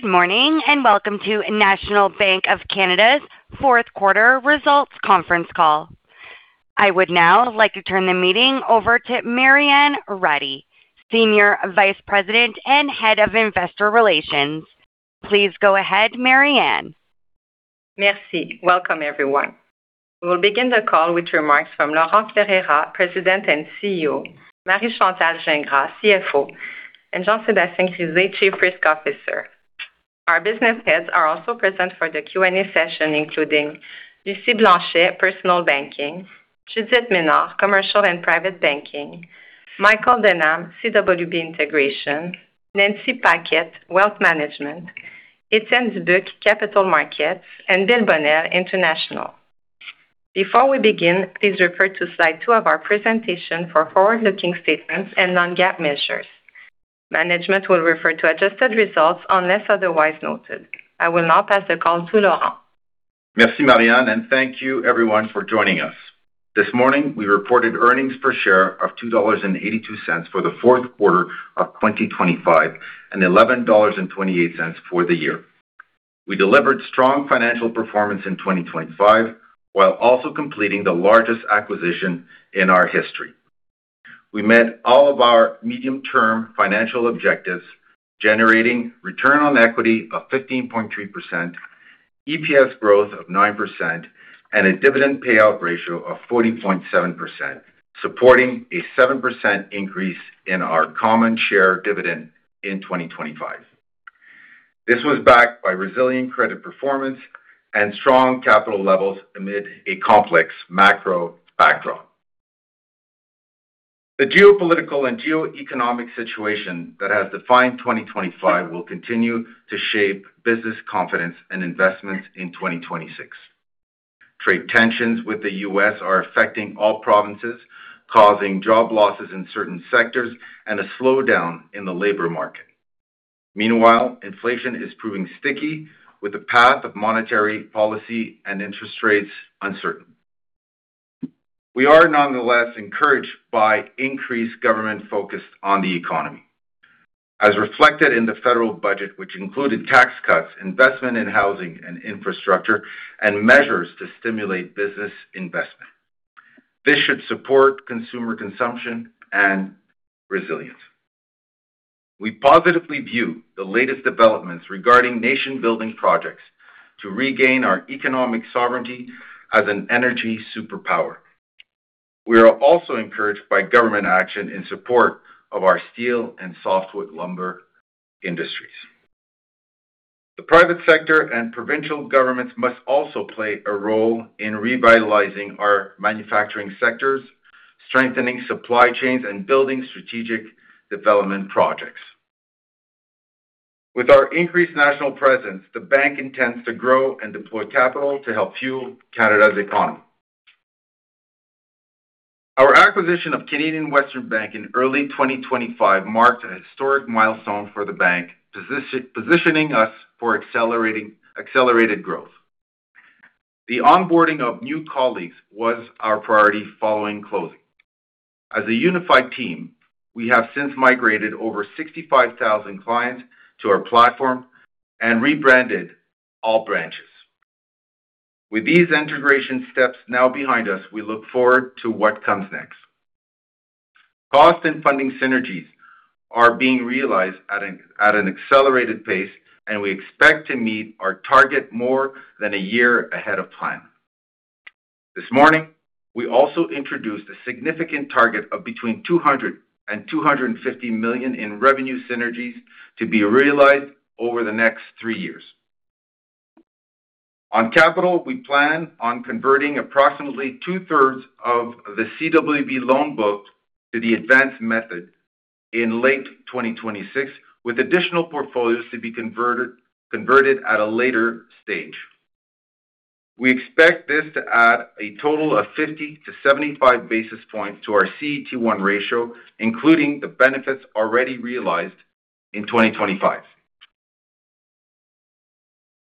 Good morning and welcome to National Bank of Canada's fourth quarter results conference call. I would now like to turn the meeting over to Marianne Ratté Senior Vice President and Head of Investor Relations. Please go ahead, Marianne. Merci. Welcome, everyone. We will begin the call with remarks from Laurent Ferreira, President and CEO; Marie-Chantal Gingras, CFO; and Jean-Sébastien Grisé, Chief Risk Officer. Our business heads are also present for the Q&A session, including Lucie Blanchet, Personal Banking, Judith Ménard, Commercial and Private Banking, Michael Denham, CWB Integration, Nancy Paquet, Wealth Management, Étienne Dubuc, Capital Markets, and Bill Bonnell, International. Before we begin, please refer to slide two of our presentation for forward-looking statements and non-GAAP measures. Management will refer to adjusted results unless otherwise noted. I will now pass the call to Laurent. Merci, Marianne, and thank you, everyone, for joining us. This morning, we reported earnings per share of 2.82 dollars for the fourth quarter of 2025 and 11.28 dollars for the year. We delivered strong financial performance in 2025 while also completing the largest acquisition in our history. We met all of our medium-term financial objectives, generating return on equity of 15.3%, EPS growth of 9%, and a dividend payout ratio of 40.7%, supporting a 7% increase in our common share dividend in 2025. This was backed by resilient credit performance and strong capital levels amid a complex macro backdrop. The geopolitical and geoeconomic situation that has defined 2025 will continue to shape business confidence and investments in 2026. Trade tensions with the U.S. are affecting all provinces, causing job losses in certain sectors and a slowdown in the labor market. Meanwhile, inflation is proving sticky, with the path of monetary policy and interest rates uncertain. We are nonetheless encouraged by increased government focus on the economy, as reflected in the federal budget, which included tax cuts, investment in housing and infrastructure, and measures to stimulate business investment. This should support consumer consumption and resilience. We positively view the latest developments regarding nation-building projects to regain our economic sovereignty as an energy superpower. We are also encouraged by government action in support of our steel and softwood lumber industries. The private sector and provincial governments must also play a role in revitalizing our manufacturing sectors, strengthening supply chains, and building strategic development projects. With our increased national presence, the Bank intends to grow and deploy capital to help fuel Canada's economy. Our acquisition of Canadian Western Bank in early 2025 marked a historic milestone for the Bank, positioning us for accelerated growth. The onboarding of new colleagues was our priority following closing. As a unified team, we have since migrated over 65,000 clients to our platform and rebranded all branches. With these integration steps now behind us, we look forward to what comes next. Cost and funding synergies are being realized at an accelerated pace, and we expect to meet our target more than a year ahead of plan. This morning, we also introduced a significant target of between 200 million and 250 million in revenue synergies to be realized over the next three years. On capital, we plan on converting approximately two-thirds of the CWB loan book to the advanced method in late 2026, with additional portfolios to be converted at a later stage. We expect this to add a total of 50-75 basis points to our CET1 ratio, including the benefits already realized in 2025.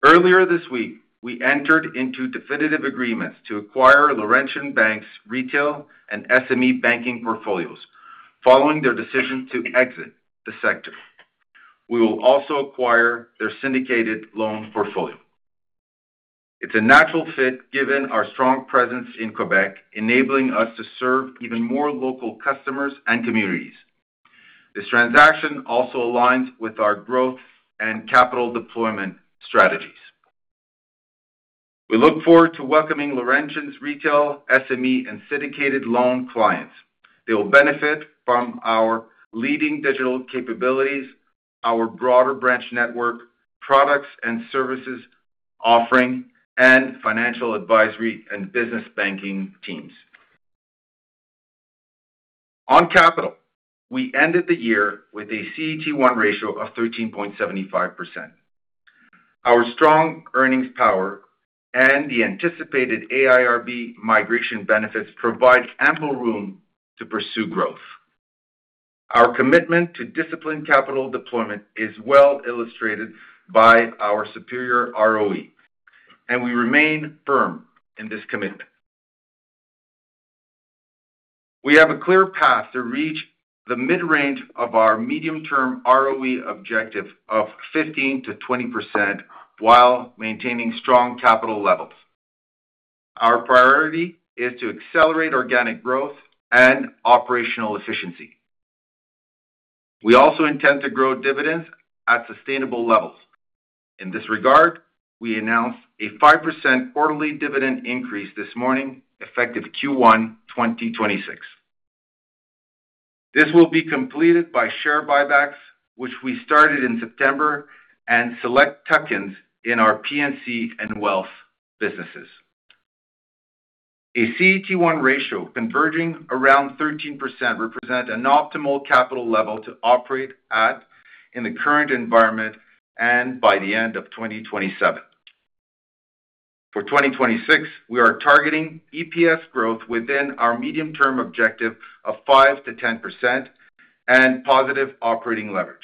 Earlier this week, we entered into definitive agreements to acquire Laurentian Bank's retail and SME banking portfolios following their decision to exit the sector. We will also acquire their syndicated loan portfolio. It's a natural fit given our strong presence in Quebec, enabling us to serve even more local customers and communities. This transaction also aligns with our growth and capital deployment strategies. We look forward to welcoming Laurentian's retail, SME, and syndicated loan clients. They will benefit from our leading digital capabilities, our broader branch network, products and services offering, and financial advisory and business banking teams. On capital, we ended the year with a CET1 ratio of 13.75%. Our strong earnings power and the anticipated AIRB migration benefits provide ample room to pursue growth. Our commitment to disciplined capital deployment is well illustrated by our superior ROE, and we remain firm in this commitment. We have a clear path to reach the mid-range of our medium-term ROE objective of 15%-20% while maintaining strong capital levels. Our priority is to accelerate organic growth and operational efficiency. We also intend to grow dividends at sustainable levels. In this regard, we announced a 5% quarterly dividend increase this morning, effective Q1 2026. This will be completed by share buybacks, which we started in September, and select tuck-ins in our P&C and wealth businesses. A CET1 ratio converging around 13% represents an optimal capital level to operate at in the current environment and by the end of 2027. For 2026, we are targeting EPS growth within our medium-term objective of 5%-10% and positive operating leverage.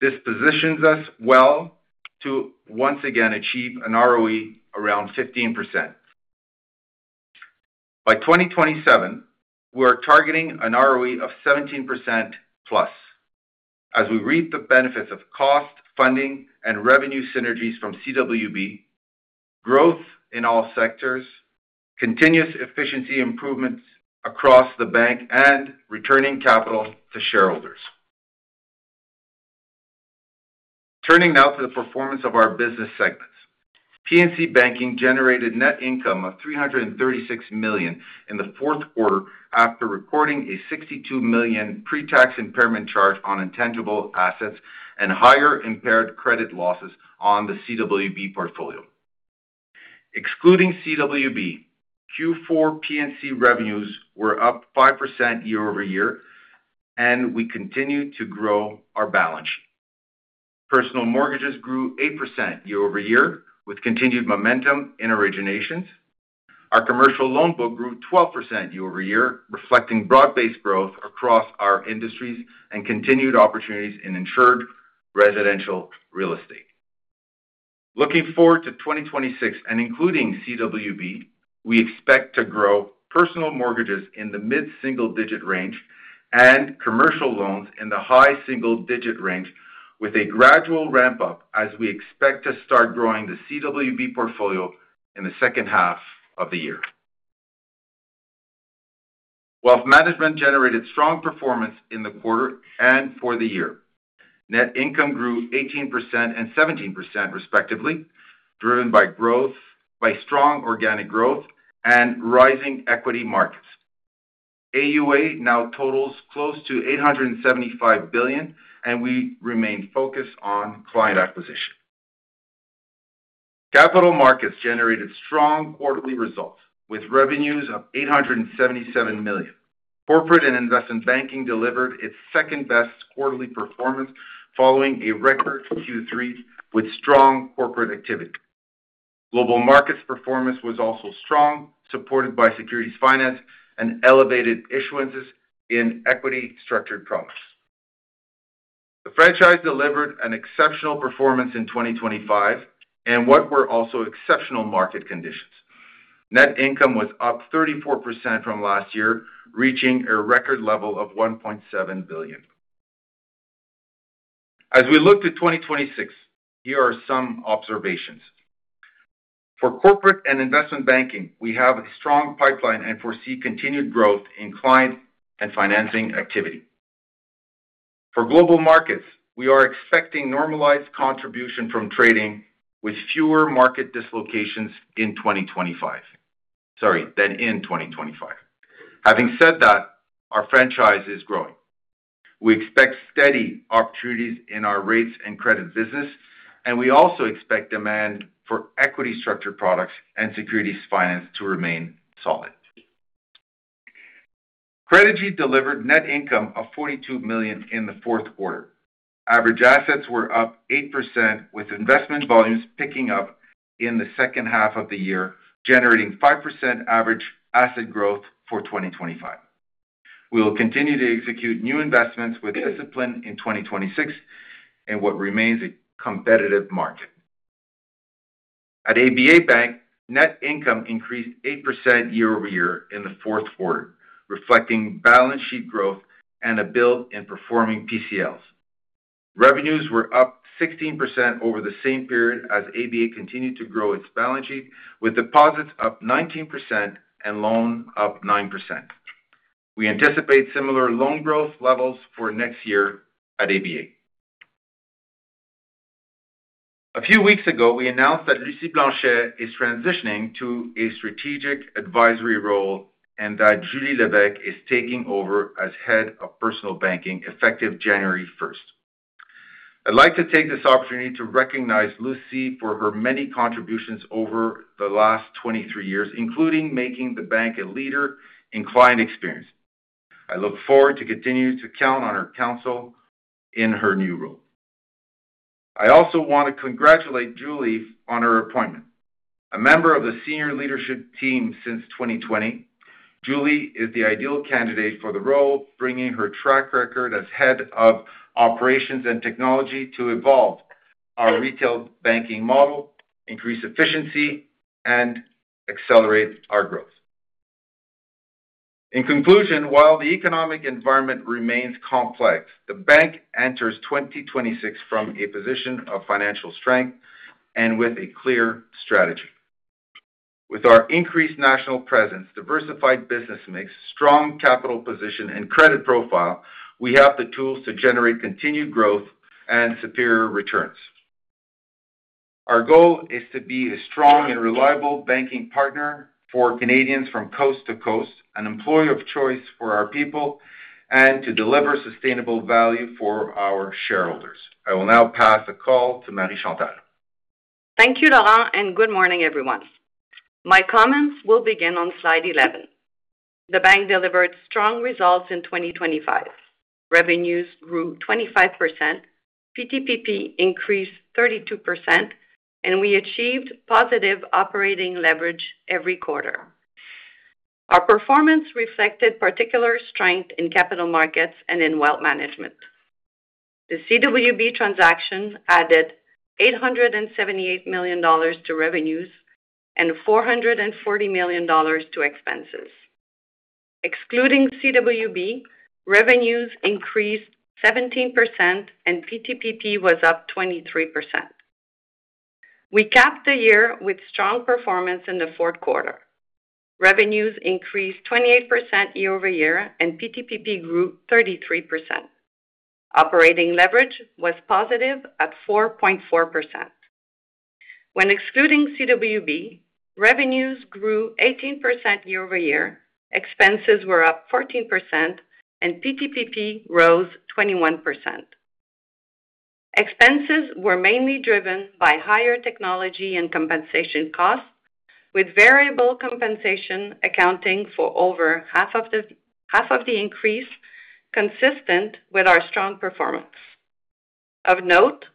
This positions us well to once again achieve an ROE around 15%. By 2027, we are targeting an ROE of 17% plus. As we reap the benefits of cost, funding, and revenue synergies from CWB, growth in all sectors, continuous efficiency improvements across the Bank, and returning capital to shareholders. Turning now to the performance of our business segments, P&C Banking generated net income of $336 million in the fourth quarter after recording a $62 million pre-tax impairment charge on intangible assets and higher impaired credit losses on the CWB portfolio. Excluding CWB, Q4 P&C revenues were up 5% year-over-year, and we continue to grow our balance sheet. Personal mortgages grew 8% year-over-year, with continued momentum in originations. Our commercial loan book grew 12% year-over-year, reflecting broad-based growth across our industries and continued opportunities in insured residential real estate. Looking forward to 2026 and including CWB, we expect to grow personal mortgages in the mid-single-digit range and commercial loans in the high single-digit range, with a gradual ramp-up as we expect to start growing the CWB portfolio in the second half of the year. Wealth Management generated strong performance in the quarter and for the year. Net income grew 18% and 17%, respectively, driven by strong organic growth and rising equity markets. AUA now totals close to 875 billion, and we remain focused on client acquisition. Capital markets generated strong quarterly results, with revenues of 877 million. Corporate and investment banking delivered its second-best quarterly performance following a record Q3 with strong corporate activity. Global markets performance was also strong, supported by securities finance and elevated issuances in equity-structured products. The franchise delivered an exceptional performance in 2025 in what were also exceptional market conditions. Net income was up 34% from last year, reaching a record level of 1.7 billion. As we look to 2026, here are some observations. For corporate and investment banking, we have a strong pipeline and foresee continued growth in client and financing activity. For global markets, we are expecting normalized contribution from trading with fewer market dislocations than in 2025. Having said that, our franchise is growing. We expect steady opportunities in our rates and credit business, and we also expect demand for equity-structured products and securities finance to remain solid. Credigy delivered net income of 42 million in the fourth quarter. Average assets were up 8%, with investment volumes picking up in the second half of the year, generating 5% average asset growth for 2025. We will continue to execute new investments with discipline in 2026 in what remains a competitive market. At ABA Bank, net income increased 8% year-over-year in the fourth quarter, reflecting balance sheet growth and a build in performing PCLs. Revenues were up 16% over the same period as ABA continued to grow its balance sheet, with deposits up 19% and loans up 9%. We anticipate similar loan growth levels for next year at ABA. A few weeks ago, we announced that Lucie Blanchet is transitioning to a strategic advisory role and that Julie Lévesque is taking over as head of personal banking effective January 1st. I'd like to take this opportunity to recognize Lucie for her many contributions over the last 23 years, including making the Bank a leader in client experience. I look forward to continuing to count on her counsel in her new role. I also want to congratulate Julie on her appointment. A member of the senior leadership team since 2020, Julie is the ideal candidate for the role, bringing her track record as head of operations and technology to evolve our retail banking model, increase efficiency, and accelerate our growth. In conclusion, while the economic environment remains complex, the Bank enters 2026 from a position of financial strength and with a clear strategy. With our increased national presence, diversified business mix, strong capital position, and credit profile, we have the tools to generate continued growth and superior returns. Our goal is to be a strong and reliable banking partner for Canadians from coast to coast, an employer of choice for our people, and to deliver sustainable value for our shareholders. I will now pass the call toMarie-Chantal. Thank you, Laurent, and good morning, everyone. My comments will begin on slide 11. The Bank delivered strong results in 2025. Revenues grew 25%, PTPP increased 32%, and we achieved positive operating leverage every quarter. Our performance reflected particular strength in capital markets and in wealth management. The CWB transaction added 878 million dollars to revenues and 440 million dollars to expenses. Excluding CWB, revenues increased 17% and PTPP was up 23%. We capped the year with strong performance in the fourth quarter. Revenues increased 28% year-over-year and PTPP grew 33%. Operating leverage was positive at 4.4%. When excluding CWB, revenues grew 18% year-over-year, expenses were up 14%, and PTPP rose 21%. Expenses were mainly driven by higher technology and compensation costs, with variable compensation accounting for over half of the increase, consistent with our strong performance. Of note,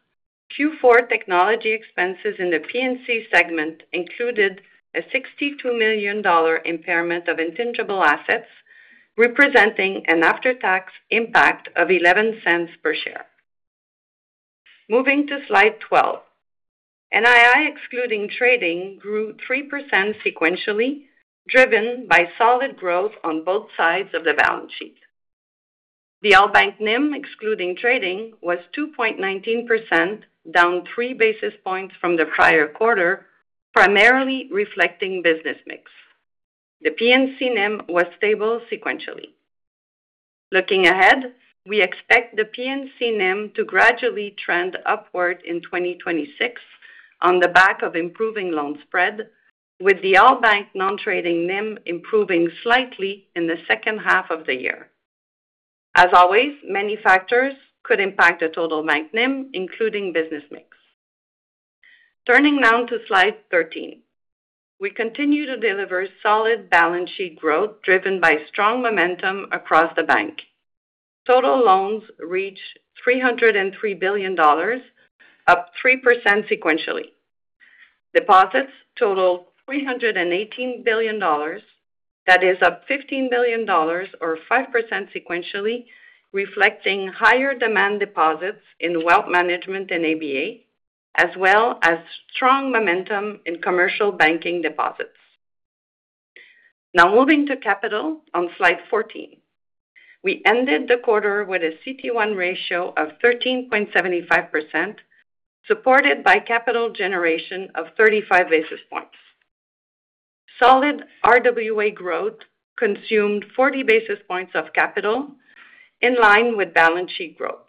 Q4 technology expenses in the P&C segment included a 62 million dollar impairment of intangible assets, representing an after-tax impact of 0.11 per share. Moving to slide 12, NII excluding trading grew 3% sequentially, driven by solid growth on both sides of the balance sheet. The All Bank NIM excluding trading was 2.19%, down three basis points from the prior quarter, primarily reflecting business mix. The P&C NIM was stable sequentially. Looking ahead, we expect the P&C NIM to gradually trend upward in 2026 on the back of improving loan spread, with the All Bank non-trading NIM improving slightly in the second half of the year. As always, many factors could impact a total bank NIM, including business mix. Turning now to slide 13, we continue to deliver solid balance sheet growth driven by strong momentum across the Bank. Total loans reached 303 billion dollars, up 3% sequentially. Deposits totaled 318 billion dollars, that is up 15 billion dollars or 5% sequentially, reflecting higher demand deposits in wealth management in ABA, as well as strong momentum in commercial banking deposits. Now moving to capital on slide 14, we ended the quarter with a CET1 ratio of 13.75%, supported by capital generation of 35 basis points. Solid RWA growth consumed 40 basis points of capital, in line with balance sheet growth.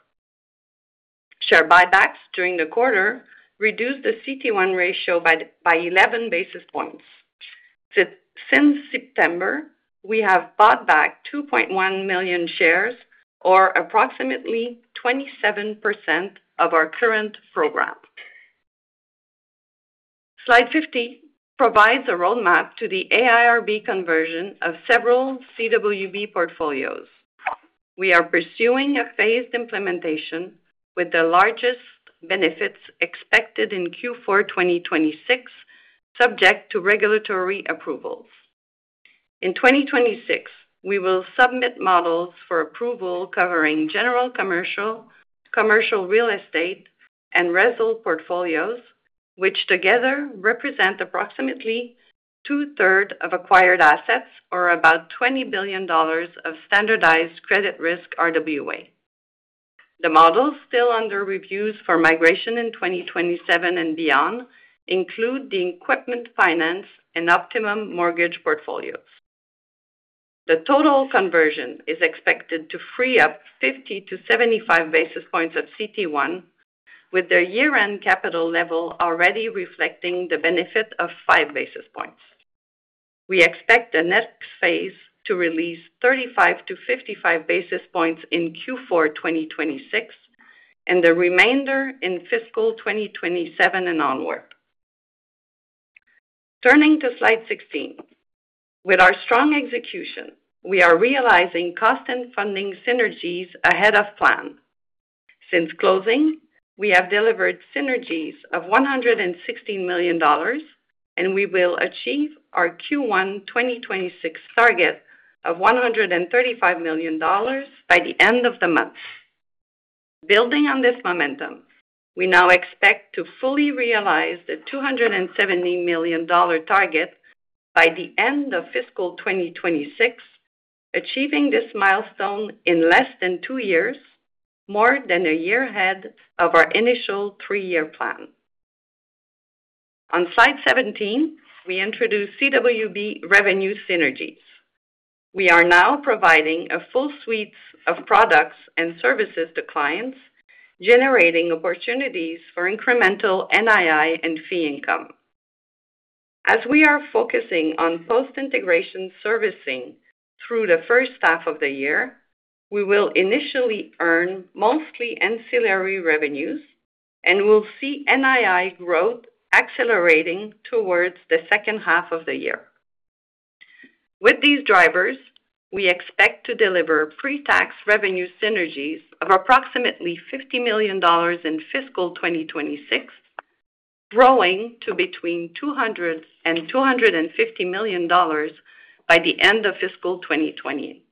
Share buybacks during the quarter reduced the CET1 ratio by 11 basis points. Since September, we have bought back 2.1 million shares, or approximately 27% of our current program. Slide 50 provides a roadmap to the AIRB conversion of several CWB portfolios. We are pursuing a phased implementation, with the largest benefits expected in Q4 2026, subject to regulatory approvals. In 2026, we will submit models for approval covering general commercial, commercial real estate, and RESL portfolios, which together represent approximately two-thirds of acquired assets, or about $20 billion of standardized credit risk RWA. The models still under review for migration in 2027 and beyond include the equipment finance and Optimum Mortgage portfolios. The total conversion is expected to free up 50-75 basis points of CET1, with the year-end capital level already reflecting the benefit of 5 basis points. We expect the next phase to release 35-55 basis points in Q4 2026 and the remainder in fiscal 2027 and onward. Turning to slide 16, with our strong execution, we are realizing cost and funding synergies ahead of plan. Since closing, we have delivered synergies of $116 million, and we will achieve our Q1 2026 target of $135 million by the end of the month. Building on this momentum, we now expect to fully realize the 270 million dollar target by the end of fiscal 2026, achieving this milestone in less than two years, more than a year ahead of our initial three-year plan. On slide 17, we introduce CWB revenue synergies. We are now providing a full suite of products and services to clients, generating opportunities for incremental NII and fee income. As we are focusing on post-integration servicing through the first half of the year, we will initially earn mostly ancillary revenues, and we'll see NII growth accelerating towards the second half of the year. With these drivers, we expect to deliver pre-tax revenue synergies of approximately 50 million dollars in fiscal 2026, growing to between 200 million dollars and CAD 250 million by the end of fiscal 2028.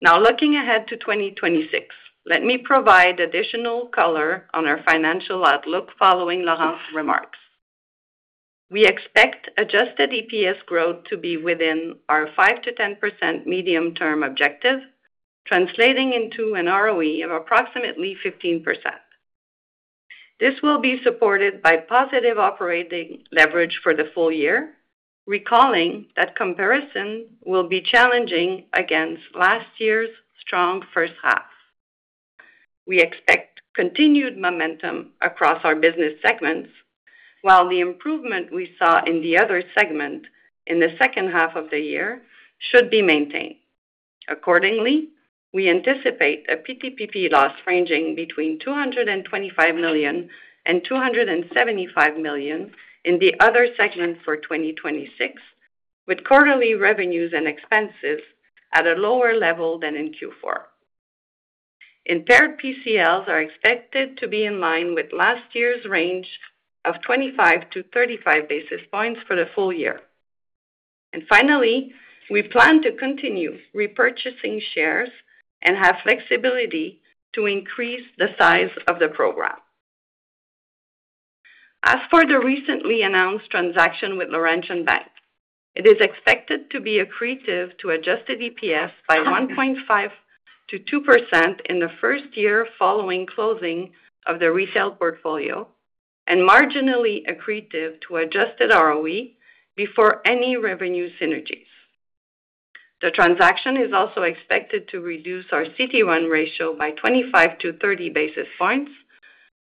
Now, looking ahead to 2026, let me provide additional color on our financial outlook following Laurent's remarks. We expect adjusted EPS growth to be within our 5%-10% medium-term objective, translating into an ROE of approximately 15%. This will be supported by positive operating leverage for the full year, recalling that comparison will be challenging against last year's strong first half. We expect continued momentum across our business segments, while the improvement we saw in the other segment in the second half of the year should be maintained. Accordingly, we anticipate a PTPP loss ranging between 225 million and 275 million in the other segment for 2026, with quarterly revenues and expenses at a lower level than in Q4. Impaired PCLs are expected to be in line with last year's range of 25-35 basis points for the full year. And finally, we plan to continue repurchasing shares and have flexibility to increase the size of the program. As for the recently announced transaction with Laurentian Bank, it is expected to be accretive to adjusted EPS by 1.5%-2% in the first year following closing of the retail portfolio, and marginally accretive to adjusted ROE before any revenue synergies. The transaction is also expected to reduce our CET1 ratio by 25-30 basis points,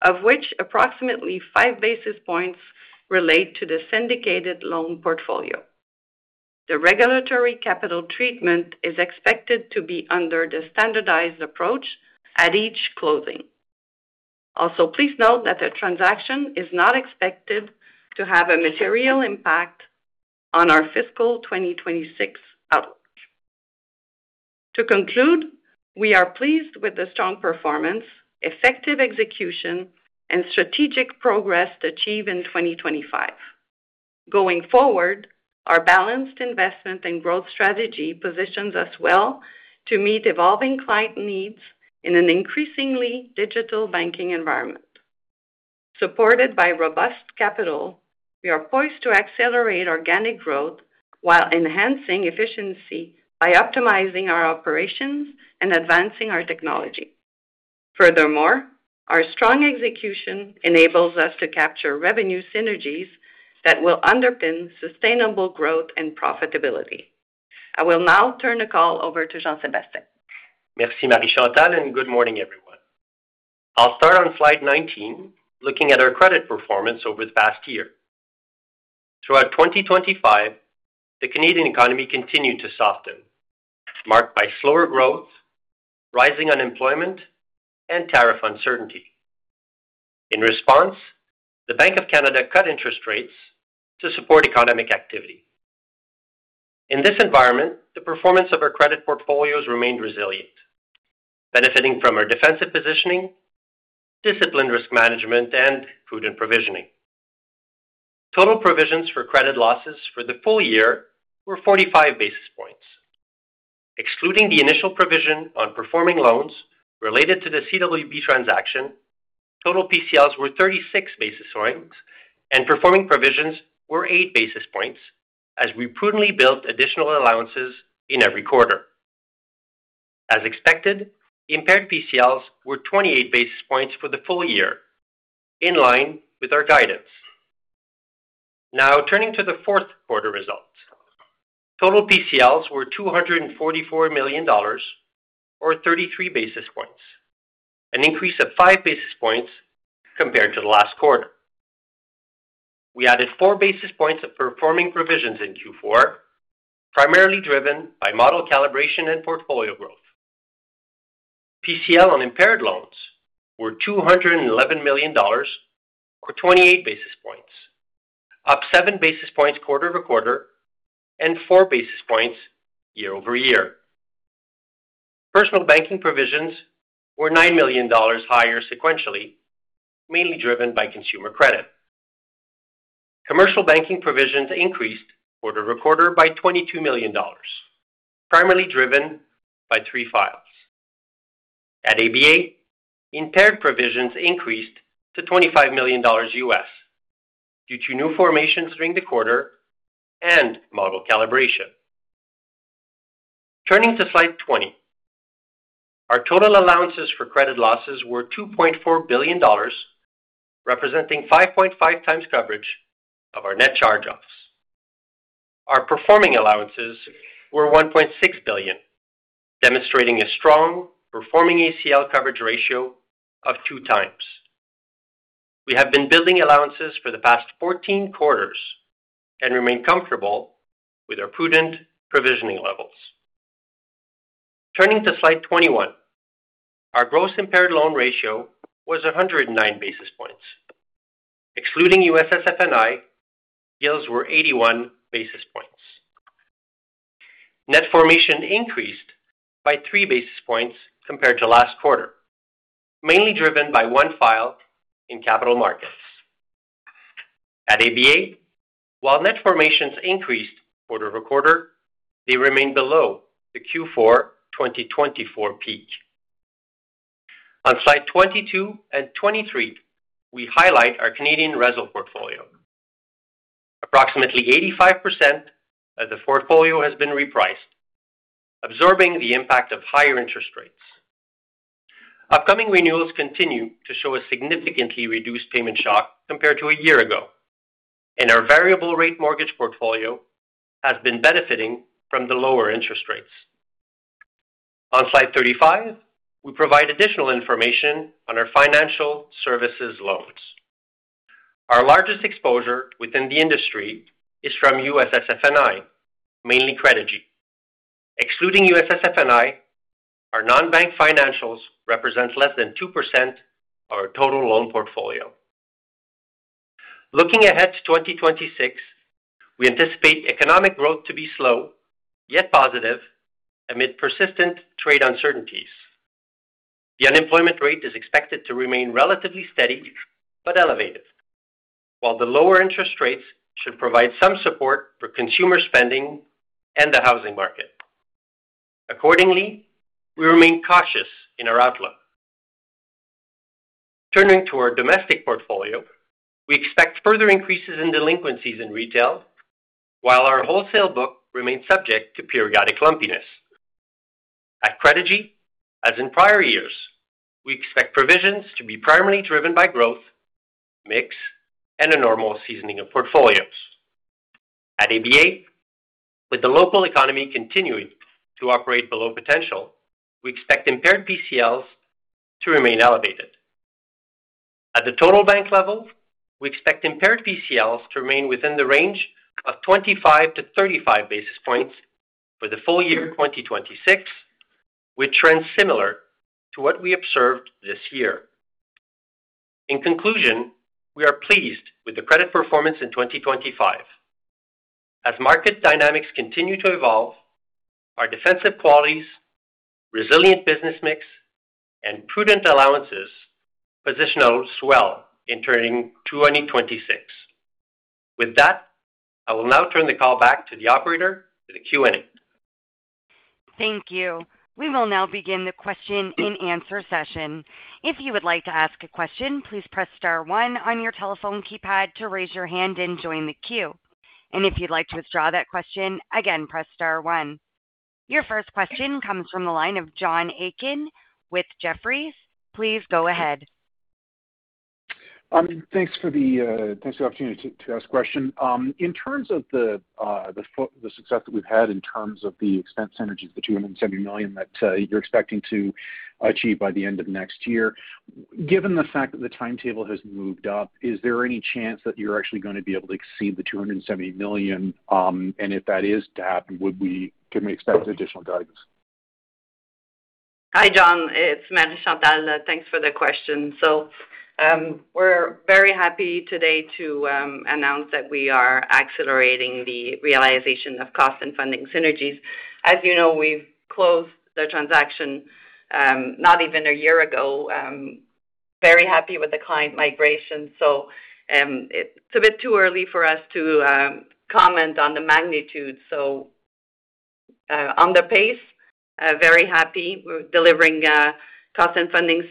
of which approximately 5 basis points relate to the syndicated loan portfolio. The regulatory capital treatment is expected to be under the standardized approach at each closing. Also, please note that the transaction is not expected to have a material impact on our fiscal 2026 outlook. To conclude, we are pleased with the strong performance, effective execution, and strategic progress to achieve in 2025. Going forward, our balanced investment and growth strategy positions us well to meet evolving client needs in an increasingly digital banking environment. Supported by robust capital, we are poised to accelerate organic growth while enhancing efficiency by optimizing our operations and advancing our technology. Furthermore, our strong execution enables us to capture revenue synergies that will underpin sustainable growth and profitability. I will now turn the call over to Jean-Sébastien. Merci, Marie-Chantal, and good morning, everyone. I'll start on slide 19, looking at our credit performance over the past year. Throughout 2025, the Canadian economy continued to soften, marked by slower growth, rising unemployment, and tariff uncertainty. In response, the Bank of Canada cut interest rates to support economic activity. In this environment, the performance of our credit portfolios remained resilient, benefiting from our defensive positioning, disciplined risk management, and prudent provisioning. Total provisions for credit losses for the full year were 45 basis points. Excluding the initial provision on performing loans related to the CWB transaction, total PCLs were 36 basis points, and performing provisions were 8 basis points, as we prudently built additional allowances in every quarter. As expected, impaired PCLs were 28 basis points for the full year, in line with our guidance. Now, turning to the fourth quarter results, total PCLs were 244 million dollars, or 33 basis points, an increase of 5 basis points compared to the last quarter. We added 4 basis points of performing provisions in Q4, primarily driven by model calibration and portfolio growth. PCL on impaired loans were 211 million dollars, or 28 basis points, up 7 basis points quarter to quarter and 4 basis points year-over-year. Personal banking provisions were 9 million dollars higher sequentially, mainly driven by consumer credit. Commercial banking provisions increased quarter to quarter by 22 million dollars, primarily driven by three files. At ABA, impaired provisions increased to $25 million due to new formations during the quarter and model calibration. Turning to slide 20, our total allowances for credit losses were 2.4 billion dollars, representing 5.5x coverage of our net charge-offs. Our performing allowances were 1.6 billion, demonstrating a strong performing ACL coverage ratio of 2x. We have been building allowances for the past 14 quarters and remain comfortable with our prudent provisioning levels. Turning to slide 21, our gross impaired loan ratio was 109 basis points. Excluding USSFNI, yields were 81 basis points. Net formation increased by 3 basis points compared to last quarter, mainly driven by one file in capital markets. At ABA, while net formations increased quarter to quarter, they remained below the Q4 2024 peak. On slide 22 and 23, we highlight our Canadian RESL portfolio. Approximately 85% of the portfolio has been repriced, absorbing the impact of higher interest rates. Upcoming renewals continue to show a significantly reduced payment shock compared to a year ago, and our variable-rate mortgage portfolio has been benefiting from the lower interest rates. On slide 35, we provide additional information on our financial services loans. Our largest exposure within the industry is from USSFNI, mainly Credigy. Excluding USSFNI, our non-bank financials represent less than 2% of our total loan portfolio. Looking ahead to 2026, we anticipate economic growth to be slow yet positive amid persistent trade uncertainties. The unemployment rate is expected to remain relatively steady but elevated, while the lower interest rates should provide some support for consumer spending and the housing market. Accordingly, we remain cautious in our outlook. Turning to our domestic portfolio, we expect further increases in delinquencies in retail, while our wholesale book remains subject to periodic lumpiness. At Credigy, as in prior years, we expect provisions to be primarily driven by growth, mix, and a normal seasoning of portfolios. At ABA, with the local economy continuing to operate below potential, we expect impaired PCLs to remain elevated. At the total bank level, we expect impaired PCLs to remain within the range of 25-35 basis points for the full year 2026, with trends similar to what we observed this year. In conclusion, we are pleased with the credit performance in 2025. As market dynamics continue to evolve, our defensive qualities, resilient business mix, and prudent allowances position ourselves well into 2026. With that, I will now turn the call back to the operator for the Q&A. Thank you. We will now begin the question-and-answer session. If you would like to ask a question, please press star 1 on your telephone keypad to raise your hand and join the queue, and if you'd like to withdraw that question, again, press star 1. Your first question comes from the line of John Aiken with Jefferies. Please go ahead. Thanks for the opportunity to ask a question. In terms of the success that we've had in terms of the expense synergies, the 270 million that you're expecting to achieve by the end of next year, given the fact that the timetable has moved up, is there any chance that you're actually going to be able to exceed the 270 million? And if that is to happen, can we expect additional guidance? Hi, John. It's Marie-Chantal. Thanks for the question. So we're very happy today to announce that we are accelerating the realization of cost and funding synergies. As you know, we've closed the transaction not even a year ago. Very happy with the client migration. So it's a bit too early for us to comment on the magnitude. So on the pace, very happy. We're delivering cost and funding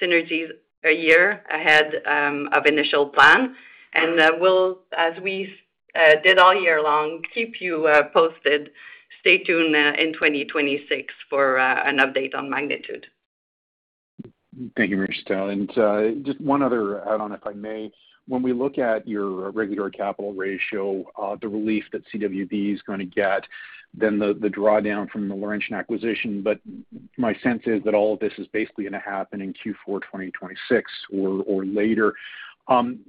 synergies a year ahead of initial plan. And we'll, as we did all year long, keep you posted. Stay tuned in 2026 for an update on magnitude. Thank you, Marie-Chantal. And just one other add-on, if I may. When we look at your regulatory capital ratio, the relief that CWB is going to get, then the drawdown from the Laurentian acquisition, but my sense is that all of this is basically going to happen in Q4 2026 or later.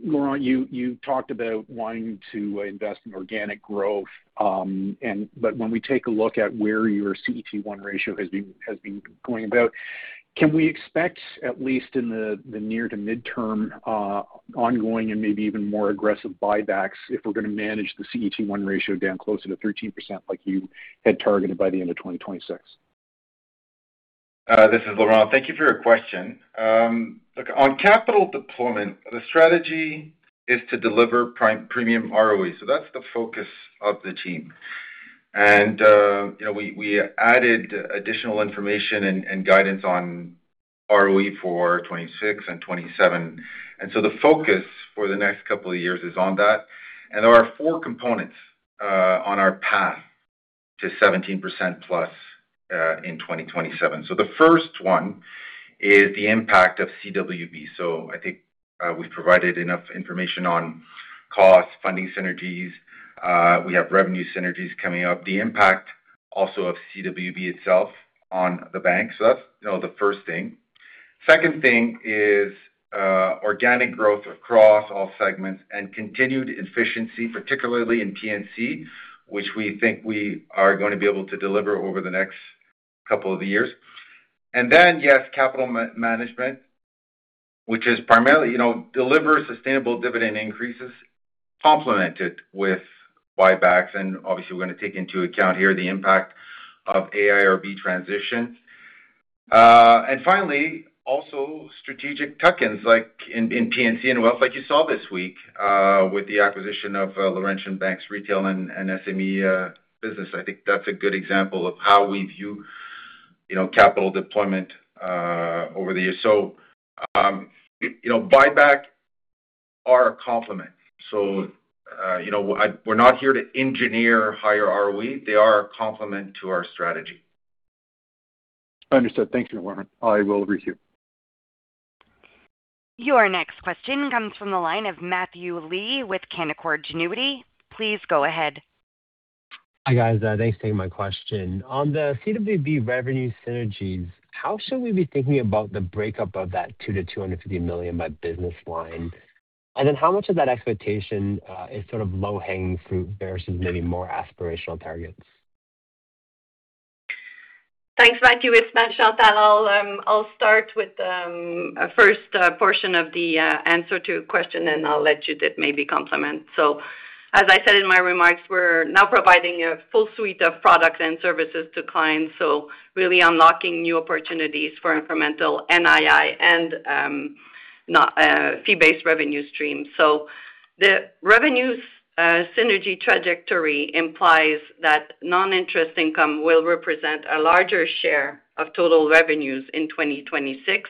Laurent, you talked about wanting to invest in organic growth. But when we take a look at where your CET1 ratio has been going about, can we expect, at least in the near to midterm, ongoing and maybe even more aggressive buybacks if we're going to manage the CET1 ratio down closer to 13% like you had targeted by the end of 2026? This is Laurent. Thank you for your question. On capital deployment, the strategy is to deliver premium ROE. So that's the focus of the team. And we added additional information and guidance on ROE for 2026 and 2027. And so the focus for the next couple of years is on that. And there are four components on our path to 17% plus in 2027. So the first one is the impact of CWB. So I think we've provided enough information on cost, funding synergies. We have revenue synergies coming up. The impact also of CWB itself on the bank. So that's the first thing. Second thing is organic growth across all segments and continued efficiency, particularly in P&C, which we think we are going to be able to deliver over the next couple of years. And then, yes, capital management, which is primarily deliver sustainable dividend increases complemented with buybacks. And obviously, we're going to take into account here the impact of AIRB transition. And finally, also strategic tuck-ins like in P&C and wealth, like you saw this week with the acquisition of Laurentian Bank's retail and SME business. I think that's a good example of how we view capital deployment over the years. So buybacks are a complement. So we're not here to engineer higher ROE. They are a complement to our strategy. Understood. Thank you, Laurent. I will agree with you. Your next question comes from the line of Matthew Lee with Canaccord Genuity. Please go ahead. Hi, guys. Thanks for taking my question. On the CWB revenue synergies, how should we be thinking about the breakup of that 200 million-250 million by business line? And then how much of that expectation is sort of low-hanging fruit versus maybe more aspirational targets? Thanks, Matthew. It's Marie-Chantal. I'll start with the first portion of the answer to your question, and I'll let Judith maybe comment. So, as I said in my remarks, we're now providing a full suite of products and services to clients, so really unlocking new opportunities for incremental NII and fee-based revenue streams. So the revenue synergy trajectory implies that non-interest income will represent a larger share of total revenues in 2026,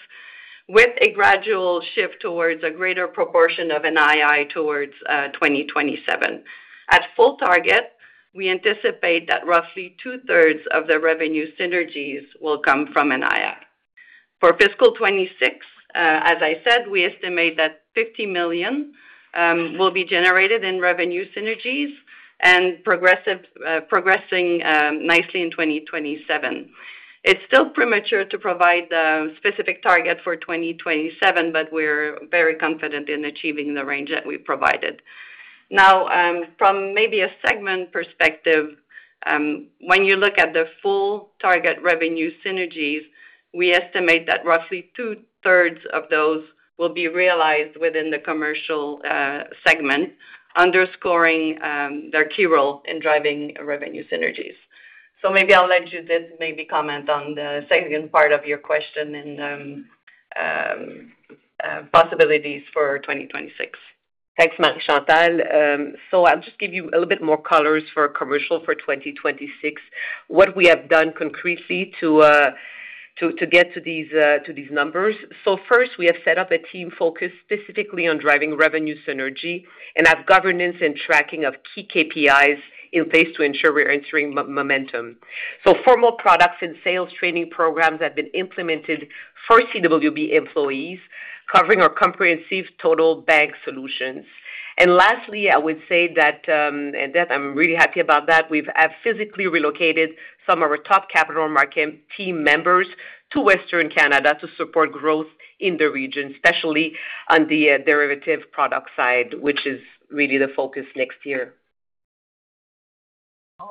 with a gradual shift towards a greater proportion of NII towards 2027. At full target, we anticipate that roughly two-thirds of the revenue synergies will come from NII. For fiscal 2026, as I said, we estimate that 50 million will be generated in revenue synergies and progressing nicely in 2027. It's still premature to provide the specific target for 2027, but we're very confident in achieving the range that we provided. Now, from maybe a segment perspective, when you look at the full target revenue synergies, we estimate that roughly two-thirds of those will be realized within the commercial segment, underscoring their key role in driving revenue synergies. So maybe I'll let Judith comment on the second part of your question and possibilities for 2026. Thanks, Marie-Chantal. So I'll just give you a little bit more color for commercial for 2026, what we have done concretely to get to these numbers. First, we have set up a team focused specifically on driving revenue synergy and have governance and tracking of key KPIs in place to ensure we're gaining momentum. Formal products and sales training programs have been implemented for CWB employees, covering our comprehensive total bank solutions. And lastly, I would say that, and I'm really happy about that, we have physically relocated some of our top capital markets team members to Western Canada to support growth in the region, especially on the derivative product side, which is really the focus next year.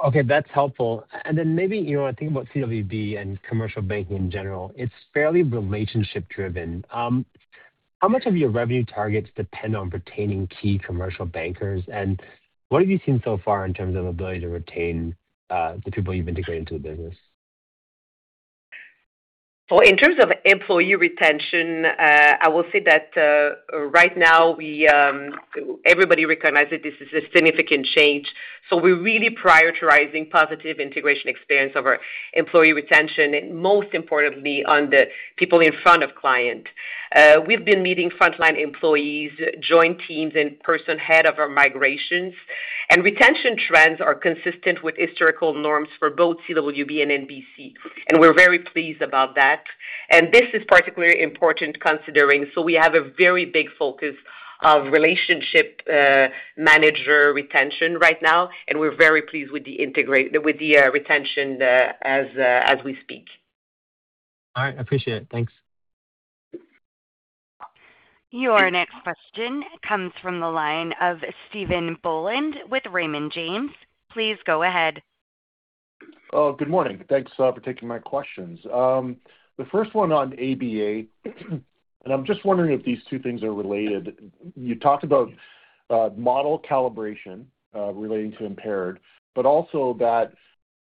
Okay. That's helpful. And then maybe I think about CWB and commercial banking in general. It's fairly relationship-driven. How much of your revenue targets depend on retaining key commercial bankers? And what have you seen so far in terms of ability to retain the people you've integrated into the business? Well, in terms of employee retention, I will say that right now, everybody recognizes this is a significant change. So we're really prioritizing positive integration experience of our employee retention, and most importantly, on the people in front of client. We've been meeting frontline employees, joint teams, and person head of our migrations. And retention trends are consistent with historical norms for both CWB and NBC. And we're very pleased about that. And this is particularly important considering we have a very big focus of relationship manager retention right now. And we're very pleased with the retention as we speak. All right. I appreciate it. Thanks. Your next question comes from the line of Stephen Boland with Raymond James. Please go ahead. Good morning. Thanks for taking my questions. The first one on ABA, and I'm just wondering if these two things are related. You talked about model calibration relating to impaired, but also that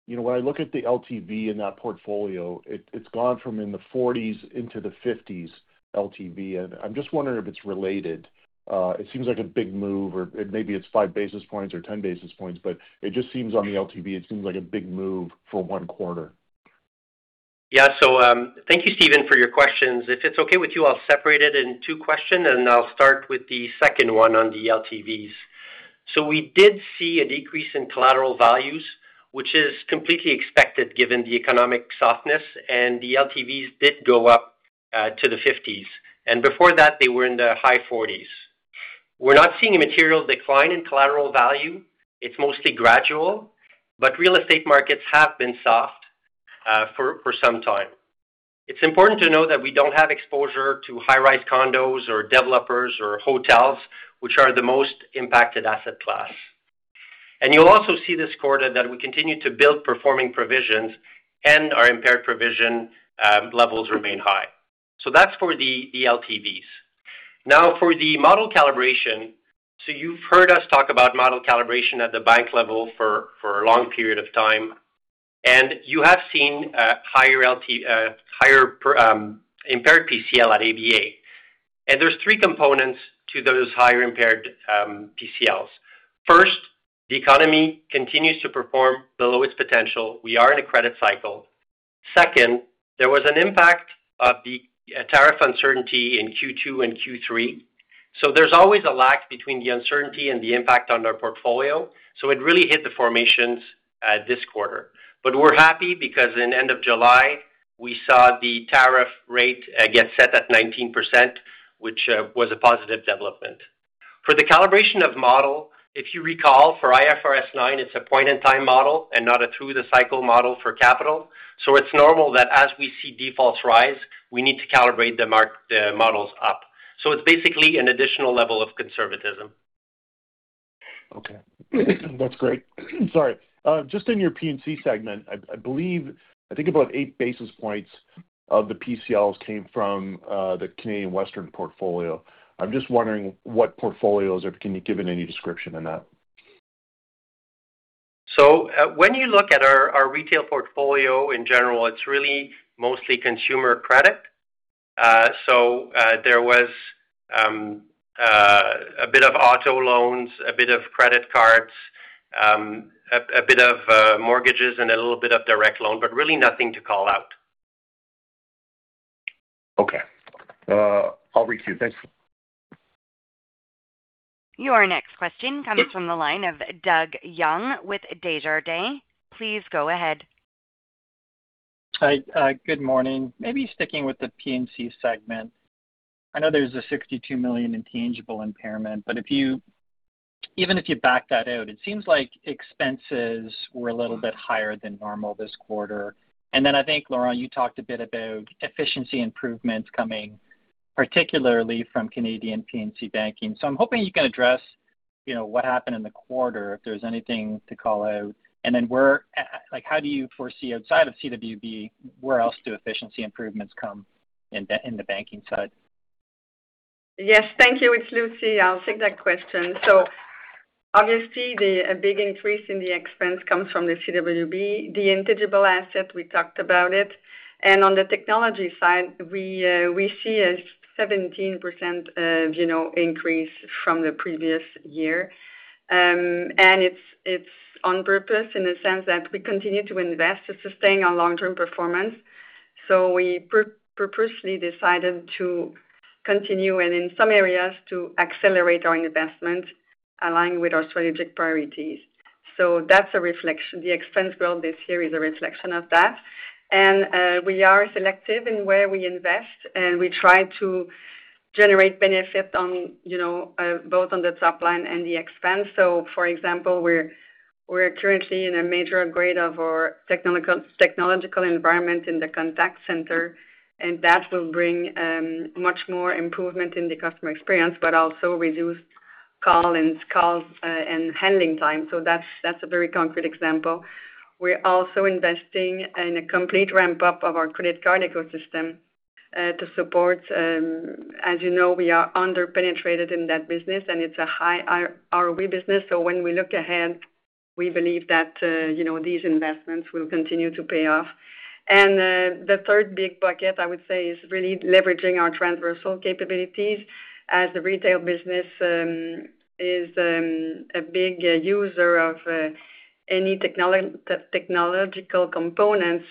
when I look at the LTV in that portfolio, it's gone from in the 40s into the 50s LTV, and I'm just wondering if it's related. It seems like a big move, or maybe it's 5 basis points or 10 basis points, but it just seems on the LTV, it seems like a big move for one quarter. Yeah, so thank you, Stephen, for your questions. If it's okay with you, I'll separate it into questions, and I'll start with the second one on the LTVs. So we did see a decrease in collateral values, which is completely expected given the economic softness, and the LTVs did go up to the 50s, and before that, they were in the high 40s. We're not seeing a material decline in collateral value. It's mostly gradual, but real estate markets have been soft for some time. It's important to know that we don't have exposure to high-rise condos or developers or hotels, which are the most impacted asset class, and you'll also see this quarter that we continue to build performing provisions, and our impaired provision levels remain high, so that's for the LTVs. Now, for the model calibration, so you've heard us talk about model calibration at the bank level for a long period of time, and you have seen higher impaired PCL at ABA, and there's three components to those higher impaired PCLs. First, the economy continues to perform below its potential. We are in a credit cycle. Second, there was an impact of the tariff uncertainty in Q2 and Q3, so there's always a lag between the uncertainty and the impact on our portfolio. It really hit the provisions this quarter. But we're happy because in the end of July, we saw the tariff rate get set at 19%, which was a positive development. For the calibration of model, if you recall, for IFRS 9, it's a point-in-time model and not a through-the-cycle model for capital. So it's normal that as we see defaults rise, we need to calibrate the models up. So it's basically an additional level of conservatism. Okay. That's great. Sorry. Just in your P&C segment, I think about eight basis points of the PCLs came from the Canadian Western portfolio. I'm just wondering what portfolios or can you give any description on that? So when you look at our retail portfolio in general, it's really mostly consumer credit. So there was a bit of auto loans, a bit of credit cards, a bit of mortgages, and a little bit of direct loan, but really nothing to call out. Okay. I'll read to you. Thanks. Your next question comes from the line of Doug Young with Desjardins. Please go ahead. Hi. Good morning. Maybe sticking with the P&C segment, I know there's a 62 million intangible impairment, but even if you back that out, it seems like expenses were a little bit higher than normal this quarter. And then I think, Laurent, you talked a bit about efficiency improvements coming particularly from Canadian P&C banking. So I'm hoping you can address what happened in the quarter, if there's anything to call out. And then how do you foresee outside of CWB, where else do efficiency improvements come in the banking side? Yes. Thank you. It's Lucie. I'll take that question, so obviously, a big increase in the expense comes from the CWB. The intangible asset, we talked about it, and on the technology side, we see a 17% increase from the previous year. And it's on purpose in the sense that we continue to invest to sustain our long-term performance, so we purposely decided to continue, and in some areas, to accelerate our investment, aligned with our strategic priorities, so that's a reflection. The expense growth this year is a reflection of that, and we are selective in where we invest, and we try to generate benefit both on the top line and the expense, so, for example, we're currently in a major upgrade of our technological environment in the contact center, and that will bring much more improvement in the customer experience, but also reduce calls and handling time, so that's a very concrete example. We're also investing in a complete ramp-up of our credit card ecosystem to support. As you know, we are under-penetrated in that business, and it's a high ROE business. So when we look ahead, we believe that these investments will continue to pay off. And the third big bucket, I would say, is really leveraging our transversal capabilities. As the retail business is a big user of any technological components,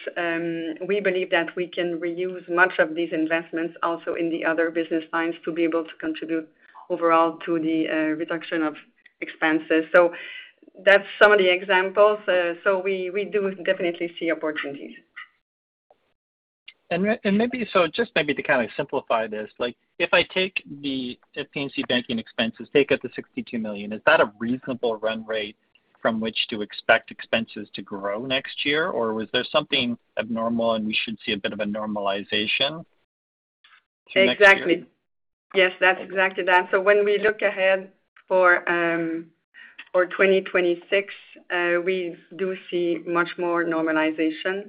we believe that we can reuse much of these investments also in the other business lines to be able to contribute overall to the reduction of expenses. So that's some of the examples. So we do definitely see opportunities. And just maybe to kind of simplify this, if I take the P&C banking expenses, take out the 62 million, is that a reasonable run rate from which to expect expenses to grow next year? Or was there something abnormal, and we should see a bit of a normalization? Exactly. Yes, that's exactly that. So when we look ahead for 2026, we do see much more normalization.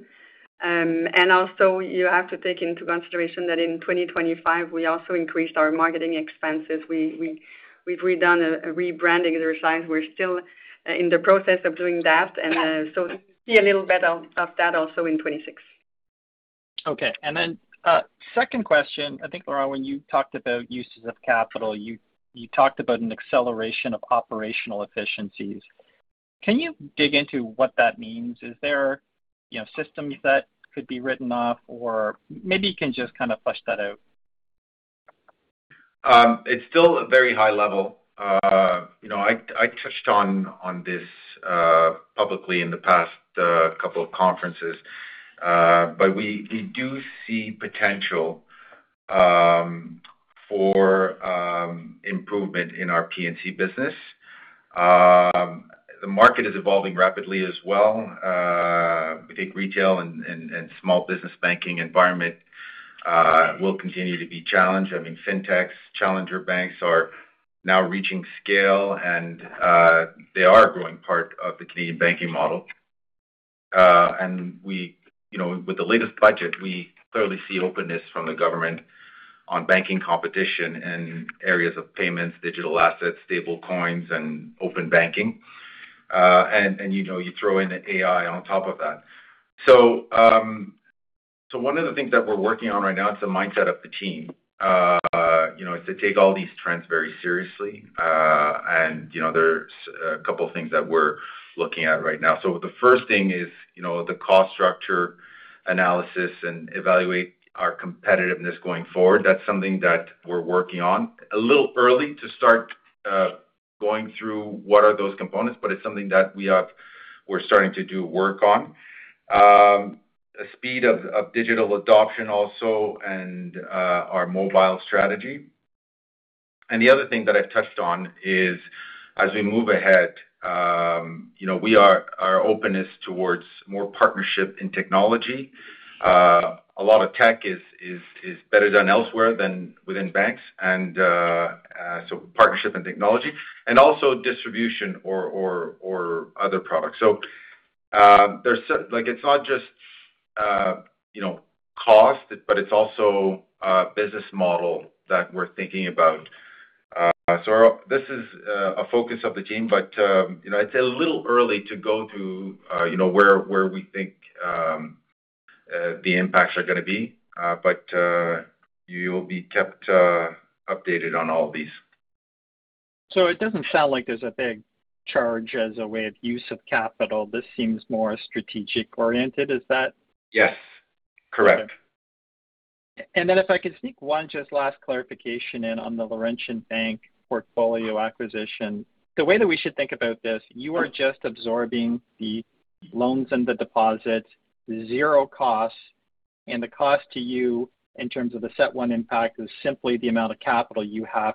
And also, you have to take into consideration that in 2025, we also increased our marketing expenses. We've redone a rebrand exercise. We're still in the process of doing that. And so you see a little bit of that also in 2026. Okay. And then second question, I think, Laurent, when you talked about uses of capital, you talked about an acceleration of operational efficiencies. Can you dig into what that means? Is there systems that could be written off, or maybe you can just kind of flesh that out? It's still a very high level. I touched on this publicly in the past couple of conferences, but we do see potential for improvement in our P&C business. The market is evolving rapidly as well. We think retail and small business banking environment will continue to be challenged. I mean, fintechs, challenger banks are now reaching scale, and they are a growing part of the Canadian banking model, and with the latest budget, we clearly see openness from the government on banking competition in areas of payments, digital assets, stablecoins, and open banking, and you throw in the AI on top of that. So one of the things that we're working on right now, it's the mindset of the team. It's to take all these trends very seriously, and there's a couple of things that we're looking at right now, so the first thing is the cost structure analysis and evaluate our competitiveness going forward. That's something that we're working on a little early to start going through what are those components, but it's something that we're starting to do work on. The speed of digital adoption also and our mobile strategy. And the other thing that I've touched on is, as we move ahead, our openness towards more partnership in technology. A lot of tech is better done elsewhere than within banks. And so partnership in technology and also distribution or other products. So it's not just cost, but it's also a business model that we're thinking about. So this is a focus of the team, but it's a little early to go to where we think the impacts are going to be, but you'll be kept updated on all these. So it doesn't sound like there's a big charge as a way of use of capital. This seems more strategic-oriented. Is that? Yes. Correct. And then if I could sneak one just last clarification in on the Laurentian Bank portfolio acquisition. The way that we should think about this, you are just absorbing the loans and the deposits, zero cost, and the cost to you in terms of the CET1 impact is simply the amount of capital you have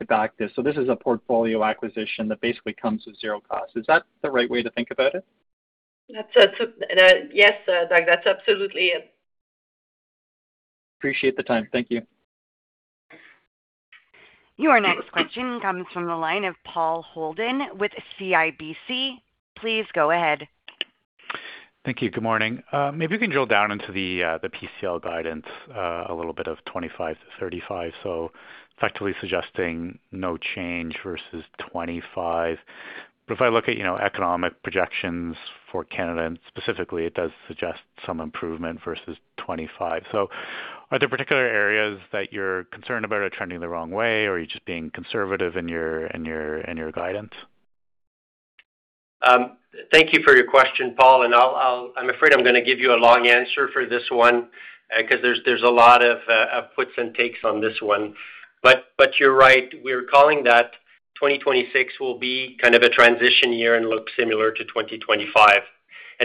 to back this. So this is a portfolio acquisition that basically comes with zero cost. Is that the right way to think about it? Yes, Doug. That's absolutely it. Appreciate the time. Thank you. Your next question comes from the line of Paul Holden with CIBC. Please go ahead. Thank you. Good morning. Maybe you can drill down into the PCL guidance a little bit of 25-35. So effectively suggesting no change versus 25. But if I look at economic projections for Canada specifically, it does suggest some improvement versus 25. Are there particular areas that you're concerned about are trending the wrong way, or are you just being conservative in your guidance? Thank you for your question, Paul. I'm afraid I'm going to give you a long answer for this one because there's a lot of puts and takes on this one. You're right. We're calling that 2026 will be kind of a transition year and look similar to 2025.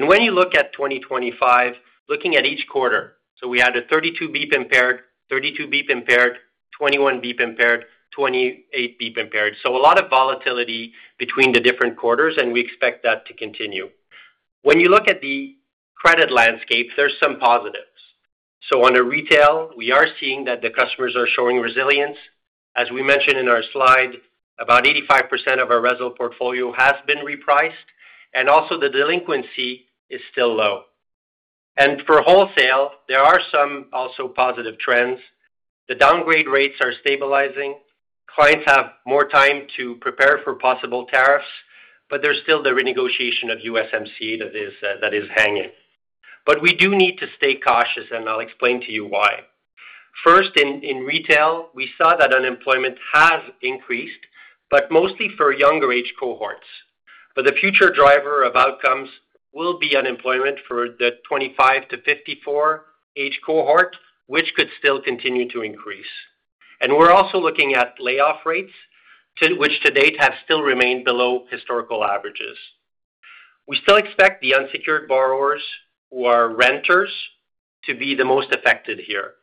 When you look at 2025, looking at each quarter, so we had a 32 bps impaired, 32 bps impaired, 21 bps impaired, 28 bps impaired. So a lot of volatility between the different quarters, and we expect that to continue. When you look at the credit landscape, there's some positives. So on the retail, we are seeing that the customers are showing resilience. As we mentioned in our slide, about 85% of our reserve portfolio has been repriced, and also the delinquency is still low, and for wholesale, there are some also positive trends. The downgrade rates are stabilizing. Clients have more time to prepare for possible tariffs, but there's still the renegotiation of USMCA that is hanging, but we do need to stay cautious, and I'll explain to you why. First, in retail, we saw that unemployment has increased, but mostly for younger age cohorts, but the future driver of outcomes will be unemployment for the 25-54 age cohort, which could still continue to increase, and we're also looking at layoff rates, which to date have still remained below historical averages. We still expect the unsecured borrowers who are renters to be the most affected here.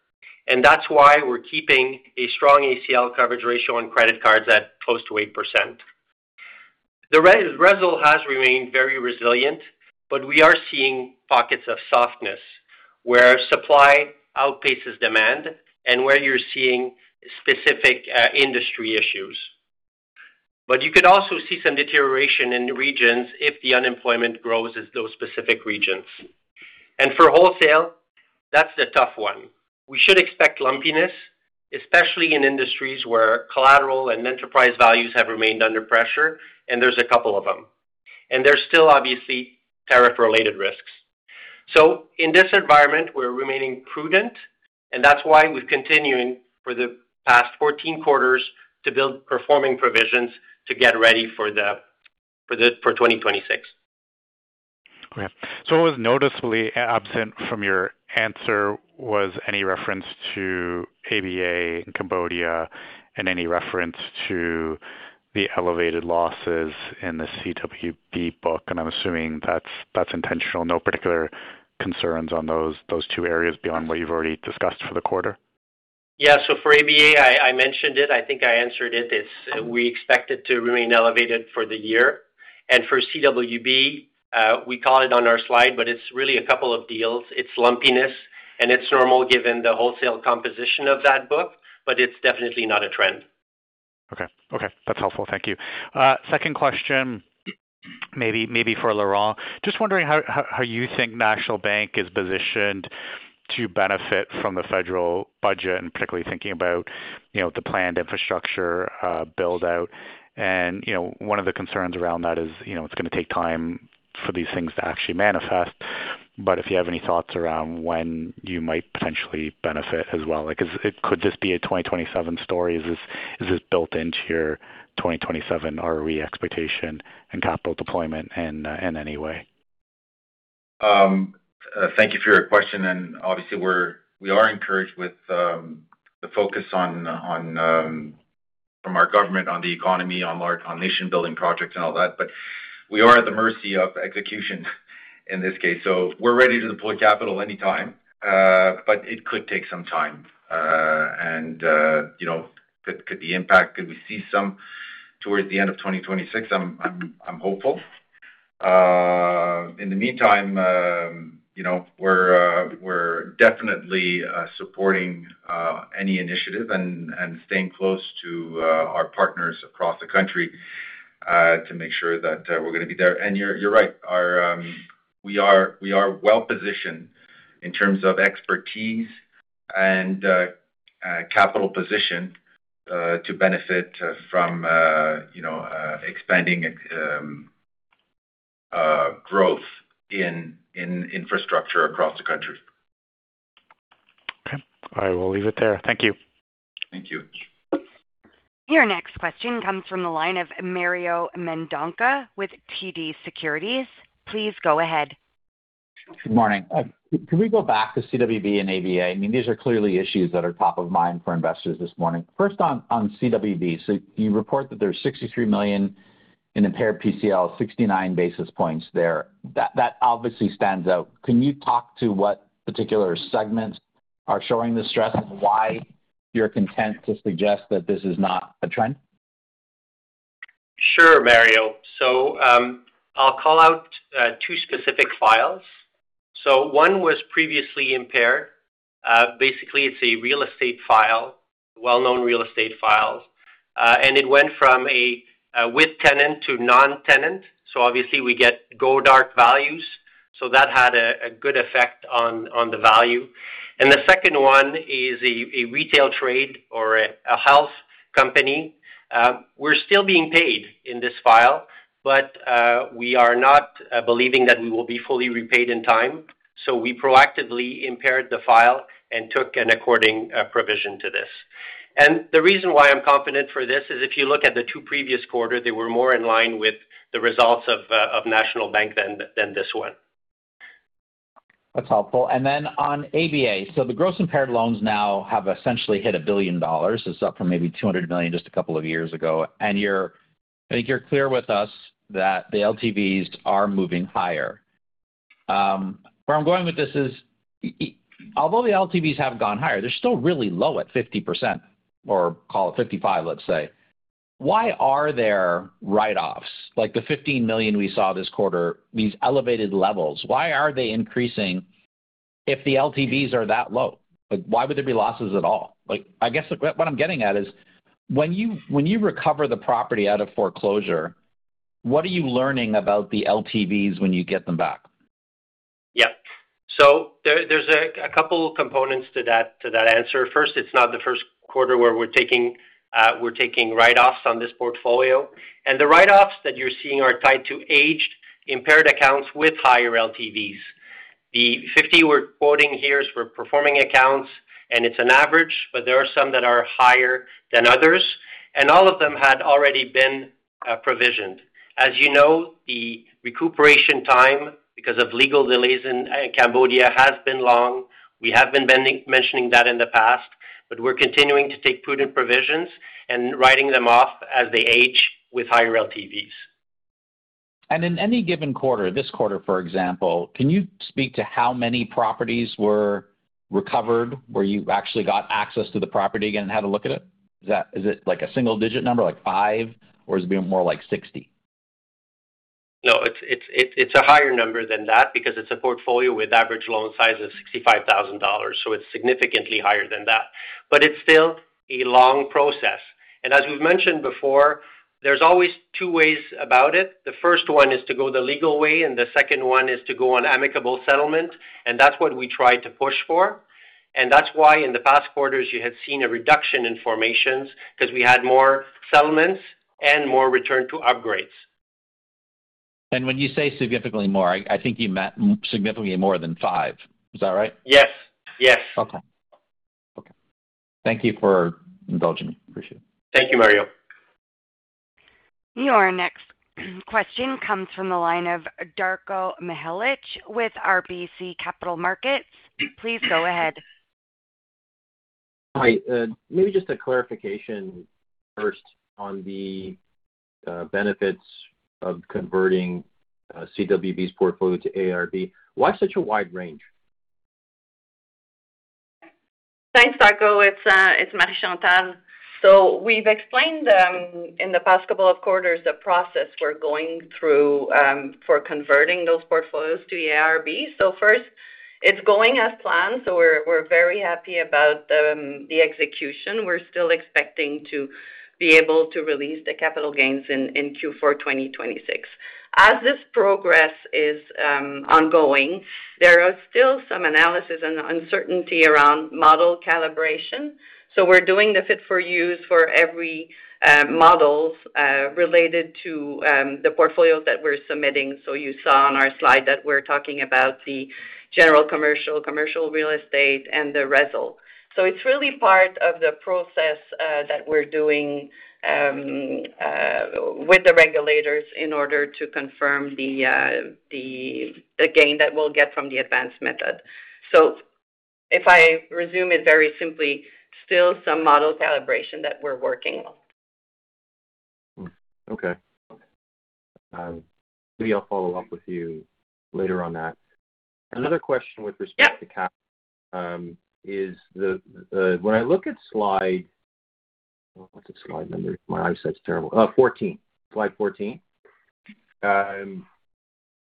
And that's why we're keeping a strong ACL coverage ratio on credit cards at close to 8%. The reserve has remained very resilient, but we are seeing pockets of softness where supply outpaces demand and where you're seeing specific industry issues. But you could also see some deterioration in regions if the unemployment grows in those specific regions. And for wholesale, that's the tough one. We should expect lumpiness, especially in industries where collateral and enterprise values have remained under pressure, and there's a couple of them. And there's still obviously tariff-related risks. So in this environment, we're remaining prudent, and that's why we've continued for the past 14 quarters to build performing provisions to get ready for 2026. Okay. So what was noticeably absent from your answer was any reference to ABA and Cambodia and any reference to the elevated losses in the CWB book. And I'm assuming that's intentional. No particular concerns on those two areas beyond what you've already discussed for the quarter? Yeah. So for ABA, I mentioned it. I think I answered it. We expect it to remain elevated for the year. And for CWB, we call it on our slide, but it's really a couple of deals. It's lumpiness, and it's normal given the wholesale composition of that book, but it's definitely not a trend. Okay. Okay. That's helpful. Thank you. Second question, maybe for Laurent. Just wondering how you think National Bank is positioned to benefit from the federal budget and particularly thinking about the planned infrastructure build-out. And one of the concerns around that is it's going to take time for these things to actually manifest. But if you have any thoughts around when you might potentially benefit as well, could this be a 2027 story? Is this built into your 2027 ROE expectation and capital deployment in any way? Thank you for your question. And obviously, we are encouraged with the focus from our government on the economy, on nation-building projects and all that, but we are at the mercy of execution in this case. So we're ready to deploy capital any time, but it could take some time. And could we see some impact towards the end of 2026? I'm hopeful. In the meantime, we're definitely supporting any initiative and staying close to our partners across the country to make sure that we're going to be there. And you're right. We are well-positioned in terms of expertise and capital position to benefit from expanding growth in infrastructure across the country. Okay. All right. We'll leave it there. Thank you. Thank you. Your next question comes from the line of Mario Mendonca with TD Securities. Please go ahead. Good morning. Can we go back to CWB and ABA? I mean, these are clearly issues that are top of mind for investors this morning. First, on CWB, so you report that there's 63 million in impaired PCL, 69 basis points there. That obviously stands out. Can you talk to what particular segments are showing the stress and why you're content to suggest that this is not a trend? Sure, Mario. So I'll call out two specific files. So one was previously impaired. Basically, it's a real estate file, well-known real estate files. And it went from a with-tenant to non-tenant. So obviously, we get go-dark values. So that had a good effect on the value. And the second one is a retail trade or a health company. We're still being paid in this file, but we are not believing that we will be fully repaid in time. So we proactively impaired the file and took an according provision to this. And the reason why I'm confident for this is if you look at the two previous quarters, they were more in line with the results of National Bank than this one. That's helpful. And then on ABA, so the gross impaired loans now have essentially hit 1 billion dollars. It's up from maybe 200 million just a couple of years ago. And I think you're clear with us that the LTVs are moving higher. Where I'm going with this is, although the LTVs have gone higher, they're still really low at 50% or call it 55%, let's say. Why are there write-offs? Like the 15 million we saw this quarter, these elevated levels. Why are they increasing if the LTVs are that low? Why would there be losses at all? I guess what I'm getting at is when you recover the property out of foreclosure, what are you learning about the LTVs when you get them back? Yeah, so there's a couple of components to that answer. First, it's not the first quarter where we're taking write-offs on this portfolio, and the write-offs that you're seeing are tied to aged impaired accounts with higher LTVs. The 50 we're quoting here are performing accounts, and it's an average, but there are some that are higher than others, and all of them had already been provisioned. As you know, the recuperation time because of legal delays in Cambodia has been long. We have been mentioning that in the past, but we're continuing to take prudent provisions and writing them off as they age with higher LTVs. And in any given quarter, this quarter, for example, can you speak to how many properties were recovered where you actually got access to the property again and had a look at it? Is it a single-digit number, like five, or is it more like 60? No, it's a higher number than that because it's a portfolio with average loan size of 65,000 dollars. So it's significantly higher than that. But it's still a long process. And as we've mentioned before, there's always two ways about it. The first one is to go the legal way, and the second one is to go on amicable settlement. And that's what we tried to push for. And that's why in the past quarters, you had seen a reduction in formations because we had more settlements and more return to upgrades. And when you say significantly more, I think you meant significantly more than 5. Is that right? Yes. Yes. Okay. Okay. Thank you for indulging me. Appreciate it. Thank you, Mario. Your next question comes from the line of Darko Mihelic with RBC Capital Markets. Please go ahead. Hi. Maybe just a clarification first on the benefits of converting CWB's portfolio to AIRB. Why such a wide range? Thanks, Darko. It's Marie-Chantal. So we've explained in the past couple of quarters the process we're going through for converting those portfolios to AIRB. So first, it's going as planned. So we're very happy about the execution. We're still expecting to be able to release the capital gains in Q4 2026. As this progress is ongoing, there are still some analysis and uncertainty around model calibration. So we're doing the fit-for-use for every model related to the portfolios that we're submitting. So you saw on our slide that we're talking about the general commercial, commercial real estate, and the reserve. So it's really part of the process that we're doing with the regulators in order to confirm the gain that we'll get from the advanced method. So if I sum it up very simply, still some model calibration that we're working on. Okay. Maybe I'll follow up with you later on that. Another question with respect to cap is when I look at slide what's the slide number? My eyesight's terrible. 14. Slide 14.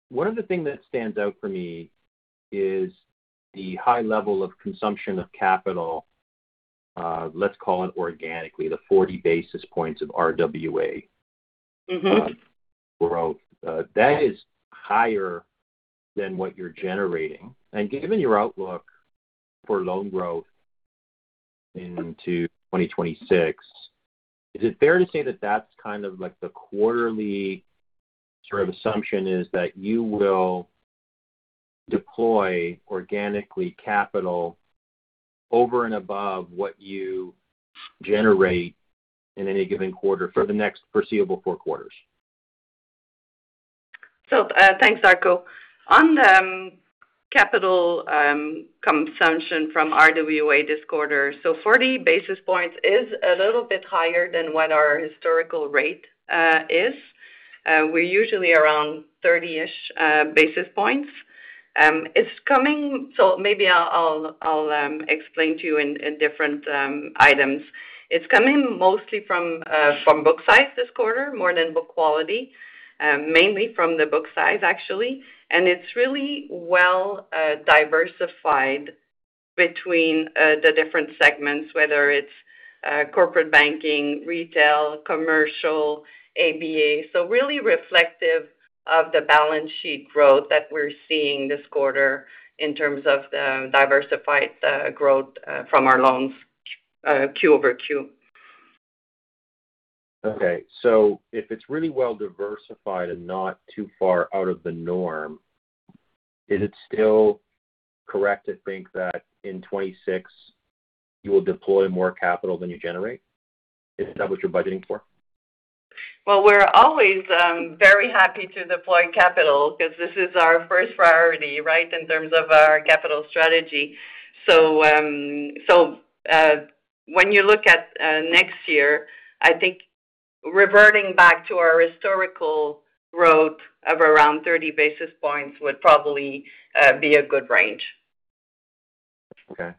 One of the things that stands out for me is the high level of consumption of capital, let's call it organically, the 40 basis points of RWA growth. That is higher than what you're generating. And given your outlook for loan growth into 2026, is it fair to say that that's kind of the quarterly sort of assumption is that you will deploy organically capital over and above what you generate in any given quarter for the next foreseeable four quarters? So thanks, Darko. On the capital consumption from RWA this quarter, so 40 basis points is a little bit higher than what our historical rate is. We're usually around 30-ish basis points. So maybe I'll explain to you in different items. It's coming mostly from book size this quarter, more than book quality, mainly from the book size, actually. And it's really well-diversified between the different segments, whether it's corporate banking, retail, commercial, ABA. So really reflective of the balance sheet growth that we're seeing this quarter in terms of the diversified growth from our loans, Q over Q. Okay. So if it's really well-diversified and not too far out of the norm, is it still correct to think that in 2026 you will deploy more capital than you generate? Is that what you're budgeting for? Well, we're always very happy to deploy capital because this is our first priority, right, in terms of our capital strategy. So when you look at next year, I think reverting back to our historical growth of around 30 basis points would probably be a good range. Okay.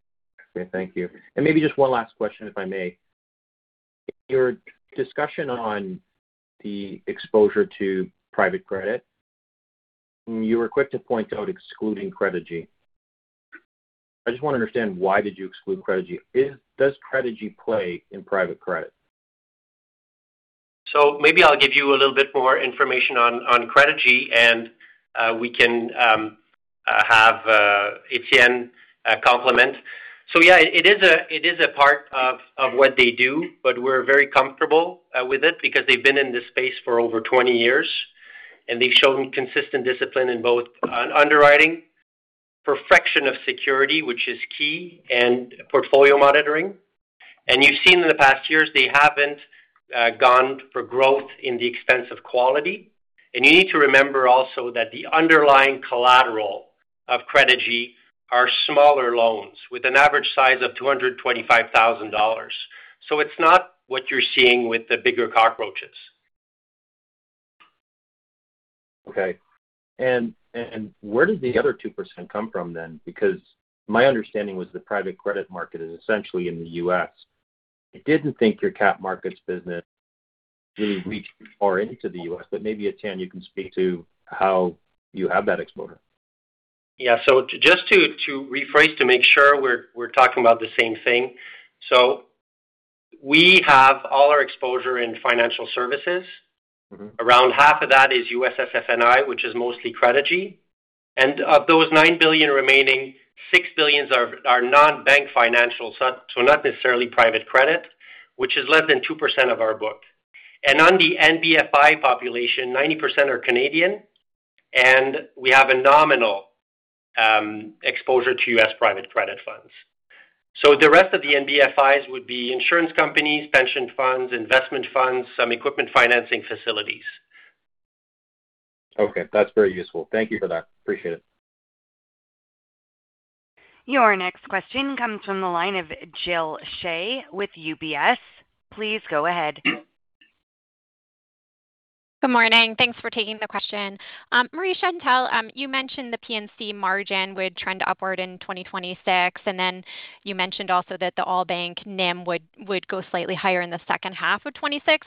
Thank you. And maybe just one last question, if I may. In your discussion on the exposure to private credit, you were quick to point out excluding Credigy. I just want to understand why did you exclude Credigy. Does Credigy play in private credit? So maybe I'll give you a little bit more information on Credigy, and we can have Étienne comment. So yeah, it is a part of what they do, but we're very comfortable with it because they've been in this space for over 20 years, and they've shown consistent discipline in both underwriting, perfection of security, which is key, and portfolio monitoring. And you've seen in the past years, they haven't gone for growth at the expense of quality. And you need to remember also that the underlying collateral of Credigy are smaller loans with an average size of $225,000. So it's not what you're seeing with the bigger cockroaches. Okay. And where did the other 2% come from then? Because my understanding was the private credit market is essentially in the U.S. I didn't think your capital markets business really reached far into the U.S. But maybe, Étienne, you can speak to how you have that exposure. Yeah, so just to rephrase to make sure we're talking about the same thing, so we have all our exposure in financial services. Around half of that is USSFNI, which is mostly Credigy. And of those 9 billion remaining, 6 billion are non-bank financials, so not necessarily private credit, which is less than 2% of our book. And on the NBFI population, 90% are Canadian, and we have a nominal exposure to U.S. private credit funds, so the rest of the NBFIs would be insurance companies, pension funds, investment funds, some equipment financing facilities. Okay. That's very useful. Thank you for that. Appreciate it. Your next question comes from the line of Jill Shea with UBS. Please go ahead. Good morning. Thanks for taking the question. Marie-Chantal, you mentioned the P&C margin would trend upward in 2026, and then you mentioned also that the All Bank NIM would go slightly higher in the second half of 2026.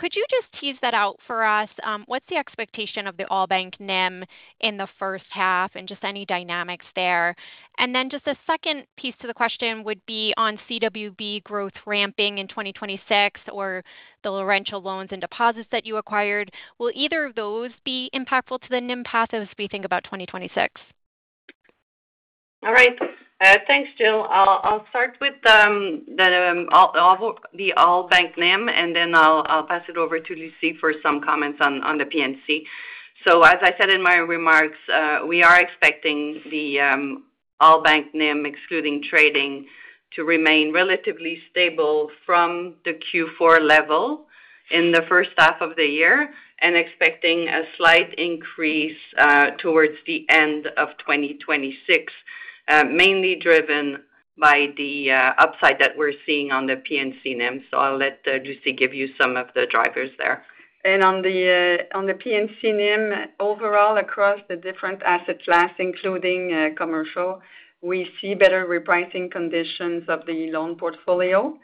Could you just tease that out for us? What's the expectation of the All Bank NIM in the first half and just any dynamics there? And then just the second piece to the question would be on CWB growth ramping in 2026 or the Laurentian loans and deposits that you acquired. Will either of those be impactful to the NIM path as we think about 2026? All right. Thanks, Jill. I'll start with the All Bank NIM, and then I'll pass it over to Lucie for some comments on the P&C. As I said in my remarks, we are expecting the All Bank NIM, excluding trading, to remain relatively stable from the Q4 level in the first half of the year and expecting a slight increase towards the end of 2026, mainly driven by the upside that we're seeing on the P&C NIM. I'll let Lucy give you some of the drivers there. On the P&C NIM, overall, across the different asset class, including commercial, we see better repricing conditions of the loan portfolio.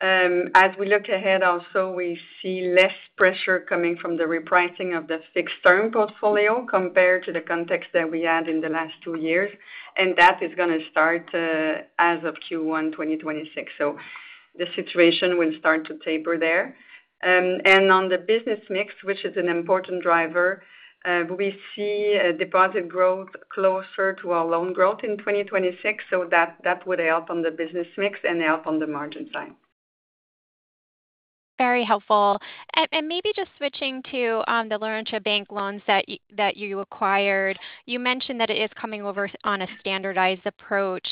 As we look ahead, also, we see less pressure coming from the repricing of the fixed-term portfolio compared to the context that we had in the last two years. That is going to start as of Q1 2026. The situation will start to taper there. On the business mix, which is an important driver, we see deposit growth closer to our loan growth in 2026. So that would help on the business mix and help on the margin side. Very helpful. And maybe just switching to the Laurentian Bank loans that you acquired, you mentioned that it is coming over on a standardized approach.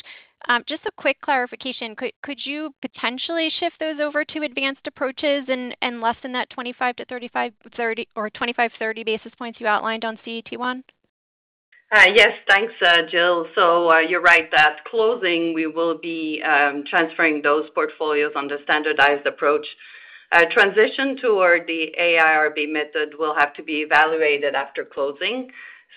Just a quick clarification. Could you potentially shift those over to advanced approaches and lessen that 25-35 or 25-30 basis points you outlined on CET1? Yes. Thanks, Jill. So you're right that at closing, we will be transferring those portfolios on the standardized approach. Transition toward the AIRB method will have to be evaluated after closing.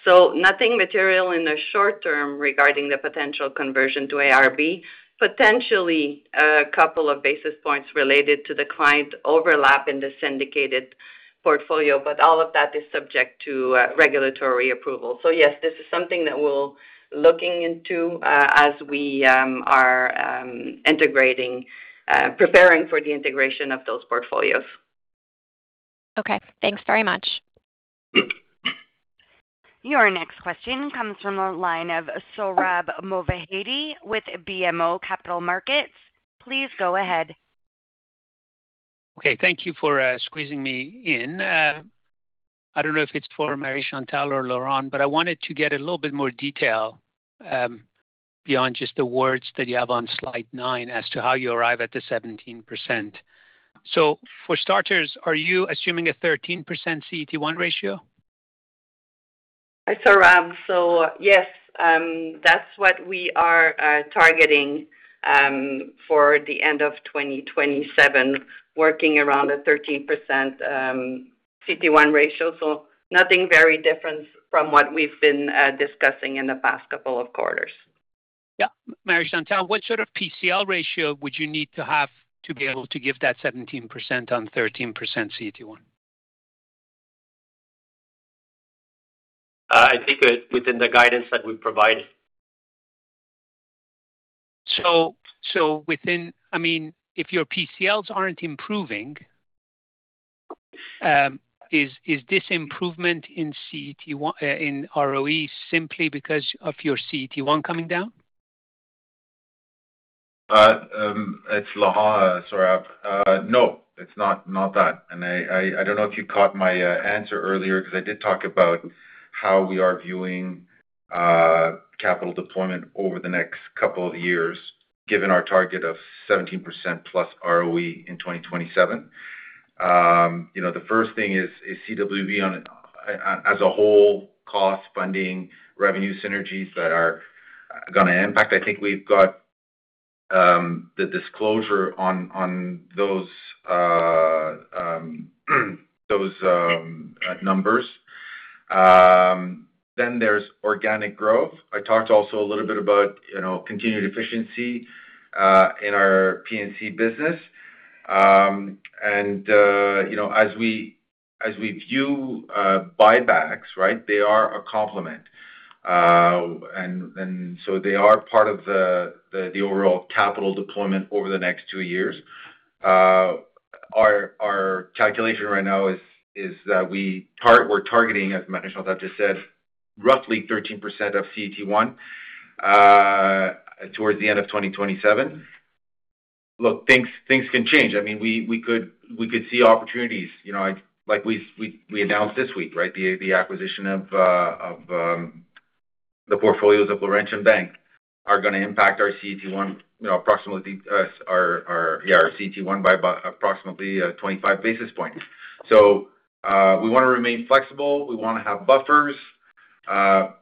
So nothing material in the short term regarding the potential conversion to AIRB, potentially a couple of basis points related to the client overlap in the syndicated portfolio, but all of that is subject to regulatory approval. So yes, this is something that we're looking into as we are preparing for the integration of those portfolios. Okay. Thanks very much. Your next question comes from the line of Sohrab Movahedi with BMO Capital Markets. Please go ahead. Okay. Thank you for squeezing me in. I don't know if it's for Marie-Chantal or Laurent, but I wanted to get a little bit more detail beyond just the words that you have on slide 9 as to how you arrive at the 17%. So for starters, are you assuming a 13% CET1 ratio? Sohrab. So yes, that's what we are targeting for the end of 2027, working around a 13% CET1 ratio. So nothing very different from what we've been discussing in the past couple of quarters. Yeah. Marie-Chantalwhat sort of PCL ratio would you need to have to be able to give that 17% on 13% CET1? I think within the guidance that we provided. So I mean, if your PCLs aren't improving, is this improvement in ROE simply because of your CET1 coming down? It's Laurent, Sohrab. No, it's not that. And I don't know if you caught my answer earlier because I did talk about how we are viewing capital deployment over the next couple of years, given our target of 17% plus ROE in 2027. The first thing is CWB as a whole, cost, funding, revenue synergies that are going to impact. I think we've got the disclosure on those numbers. Then there's organic growth. I talked also a little bit about continued efficiency in our P&C business. And as we view buybacks, right, they are a complement. And so they are part of the overall capital deployment over the next two years. Our calculation right now is that we're targeting, as Marie-Chantal just said, roughly 13% of CET1 towards the end of 2027. Look, things can change. I mean, we could see opportunities. We announced this week, right, the acquisition of the portfolios of Laurentian Bank are going to impact our CET1, yeah, our CET1 by approximately 25 basis points. So we want to remain flexible. We want to have buffers. Our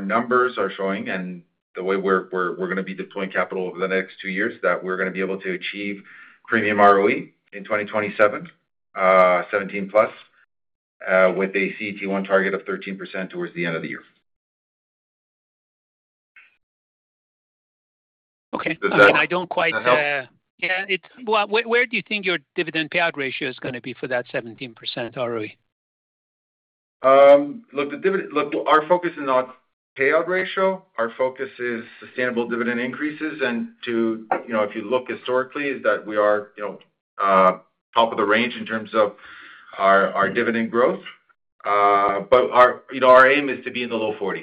numbers are showing, and the way we're going to be deploying capital over the next two years, that we're going to be able to achieve premium ROE in 2027, 17% plus, with a CET1 target of 13% towards the end of the year. Okay. And I don't quite yeah. Where do you think your dividend payout ratio is going to be for that 17% ROE? Look, our focus is not payout ratio. Our focus is sustainable dividend increases. And if you look historically, is that we are top of the range in terms of our dividend growth. But our aim is to be in the low 40s%.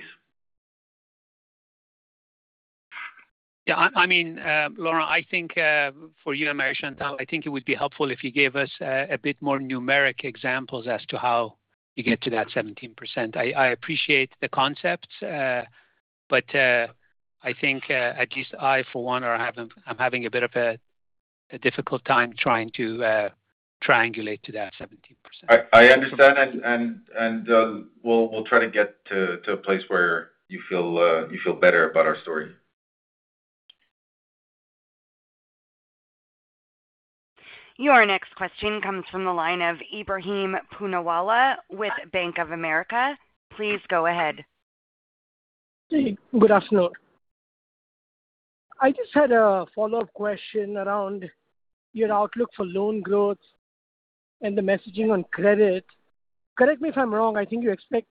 Yeah. I mean, Laurent, I think for you and Marie-Chantal, I think it would be helpful if you gave us a bit more numeric examples as to how you get to that 17%. I appreciate the concepts, but I think at least I, for one, I'm having a bit of a difficult time trying to triangulate to that 17%. I understand, and we'll try to get to a place where you feel better about our story. Your next question comes from Ebrahim Poonawala the line of with Bank of America. Please go ahead. Good afternoon. I just had a follow-up question around your outlook for loan growth and the messaging on credit. Correct me if I'm wrong. I think you expect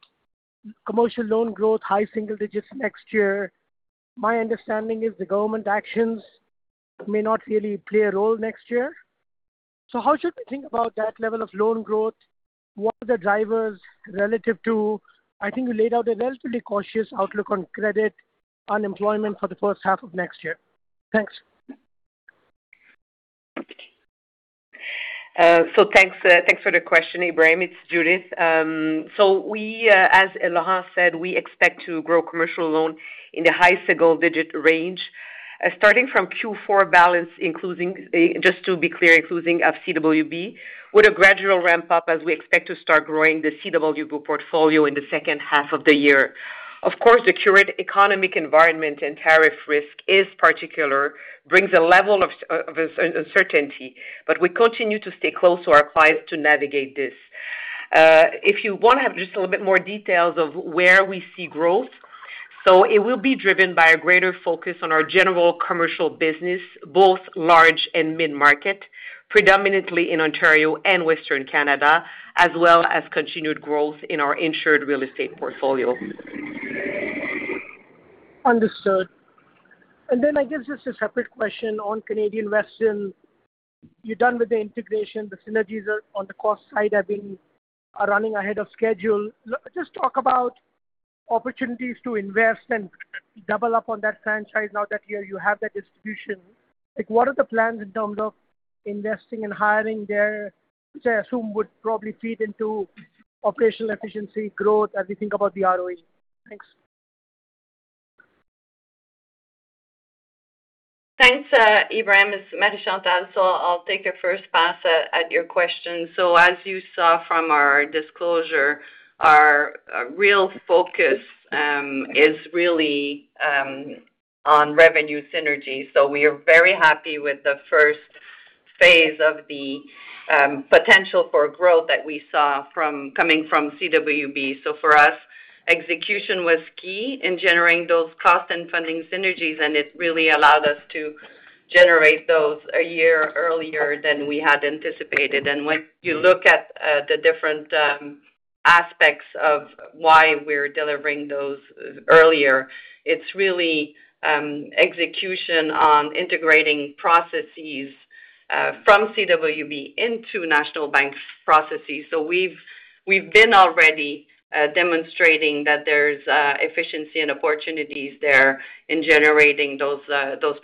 commercial loan growth, high single digits next year. My understanding is the government actions may not really play a role next year. So how should we think about that level of loan growth? What are the drivers relative to, I think you laid out a relatively cautious outlook on credit unemployment for the first half of next year? Thanks. Thanks for the question, Ibrahim. It's Judith. As Laurent said, we expect to grow commercial loan in the high single digit range, starting from Q4 balance, just to be clear, including CWB, with a gradual ramp-up as we expect to start growing the CWB portfolio in the second half of the year. Of course, the current economic environment and tariff risk is particular, brings a level of uncertainty, but we continue to stay close to our clients to navigate this. If you want to have just a little bit more details of where we see growth, it will be driven by a greater focus on our general commercial business, both large and mid-market, predominantly in Ontario and Western Canada, as well as continued growth in our insured real estate portfolio. Understood. And then I guess just a separate question on Canadian Western. You're done with the integration. The synergies on the cost side have been running ahead of schedule. Just talk about opportunities to invest and double up on that franchise now that you have that distribution. What are the plans in terms of investing and hiring there, which I assume would probably feed into operational efficiency, growth, as we think about the ROE? Thanks. Thanks, Ibrahim. As Marie-Chantal, so I'll take the first pass at your question. So as you saw from our disclosure, our real focus is really on revenue synergy. So we are very happy with the first phase of the potential for growth that we saw coming from CWB. So for us, execution was key in generating those cost and funding synergies, and it really allowed us to generate those a year earlier than we had anticipated. And when you look at the different aspects of why we're delivering those earlier, it's really execution on integrating processes from CWB into National Bank processes. So we've been already demonstrating that there's efficiency and opportunities there in generating those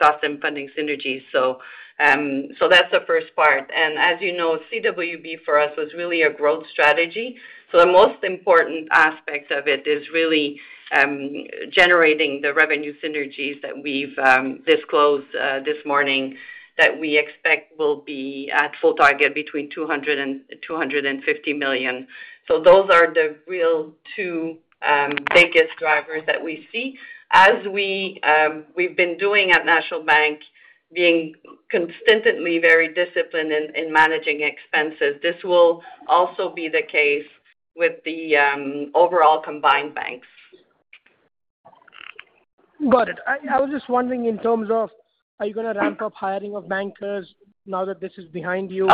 cost and funding synergies. So that's the first part. And as you know, CWB for us was really a growth strategy. So the most important aspect of it is really generating the revenue synergies that we've disclosed this morning that we expect will be at full target between 200 million and 250 million. So those are the real two biggest drivers that we see. As we've been doing at National Bank, being consistently very disciplined in managing expenses, this will also be the case with the overall combined banks. Got it. I was just wondering, in terms of, are you going to ramp up hiring of bankers now that this is behind you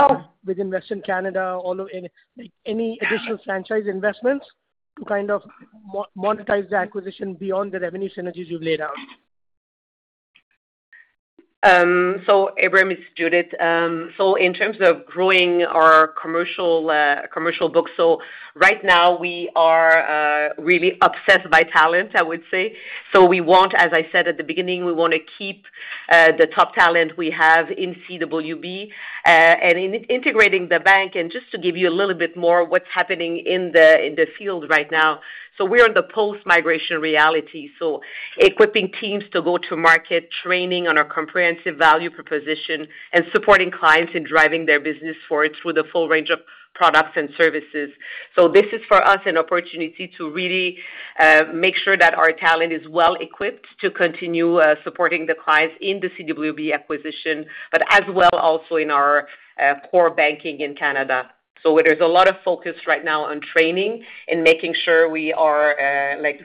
within Western Canada? Any additional franchise investments to kind of monetize the acquisition beyond the revenue synergies you've laid out? So, Ibrahim, it's Judith. So, in terms of growing our commercial book, so right now, we are really obsessed by talent, I would say, so we want, as I said at the beginning, we want to keep the top talent we have in CWB and integrating the bank, and just to give you a little bit more of what's happening in the field right now, so we're in the post-migration reality, so equipping teams to go to market, training on our comprehensive value proposition, and supporting clients in driving their business forward through the full range of products and services. So this is for us an opportunity to really make sure that our talent is well-equipped to continue supporting the clients in the CWB acquisition, but as well also in our core banking in Canada. So there's a lot of focus right now on training and making sure we are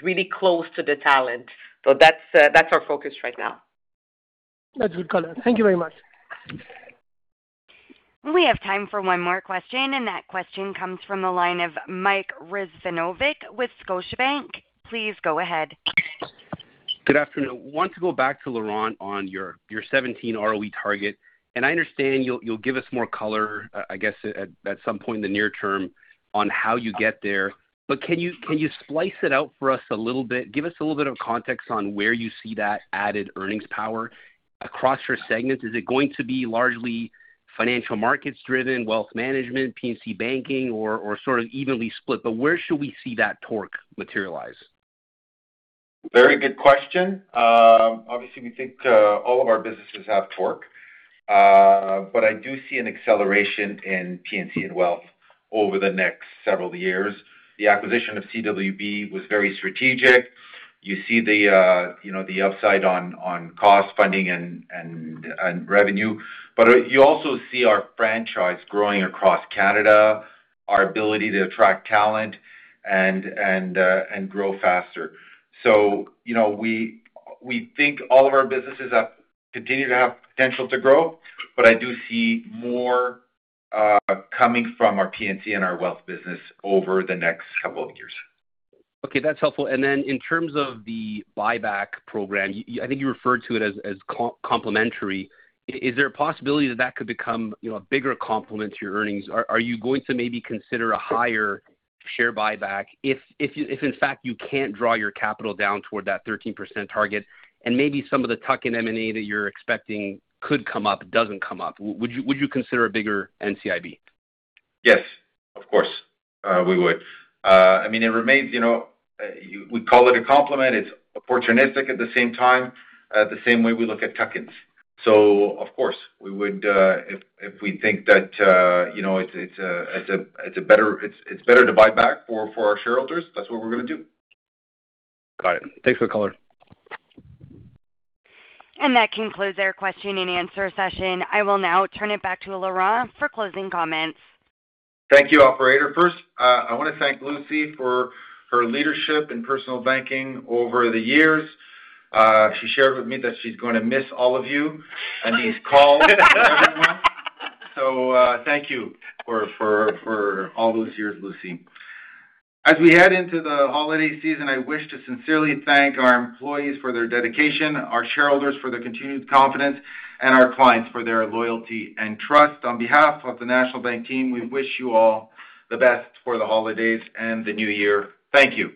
really close to the talent. So that's our focus right now. That's good, Colin. Thank you very much. We have time for one more question, and that question comes from the line of Mike Rizvanovic with Scotiabank. Please go ahead. Good afternoon. I want to go back to Laurent on your 17 ROE target. And I understand you'll give us more color, I guess, at some point in the near term on how you get there. But can you slice it out for us a little bit? Give us a little bit of context on where you see that added earnings power across your segments. Is it going to be largely financial markets driven, wealth management, P&C banking, or sort of evenly split? But where should we see that torque materialize? Very good question. Obviously, we think all of our businesses have torque, but I do see an acceleration in P&C and wealth over the next several years. The acquisition of CWB was very strategic. You see the upside on cost, funding, and revenue. But you also see our franchise growing across Canada, our ability to attract talent, and grow faster. So we think all of our businesses continue to have potential to grow, but I do see more coming from our P&C and our wealth business over the next couple of years. Okay. That's helpful. And then, in terms of the buyback program, I think you referred to it as complementary. Is there a possibility that that could become a bigger complement to your earnings? Are you going to maybe consider a higher share buyback if, in fact, you can't draw your capital down toward that 13% target? And maybe some of the tuck and M&A that you're expecting could come up, doesn't come up. Would you consider a bigger NCIB? Yes, of course, we would. I mean, it remains we call it a complement. It's opportunistic at the same time, the same way we look at tuck-ins. So of course, if we think that it's better to buy back for our shareholders, that's what we're going to do. Got it. Thanks for the caller. And that concludes our question and answer session. I will now turn it back to Laurent for closing comments. Thank you, Operator. First, I want to thank Lucie for her leadership in personal banking over the years. She shared with me that she's going to miss all of you and these calls and everyone. So thank you for all those years, Lucie. As we head into the holiday season, I wish to sincerely thank our employees for their dedication, our shareholders for their continued confidence, and our clients for their loyalty and trust. On behalf of the National Bank team, we wish you all the best for the holidays and the new year. Thank you.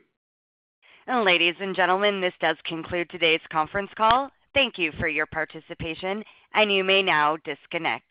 And ladies and gentlemen, this does conclude today's conference call. Thank you for your participation, and you may now disconnect.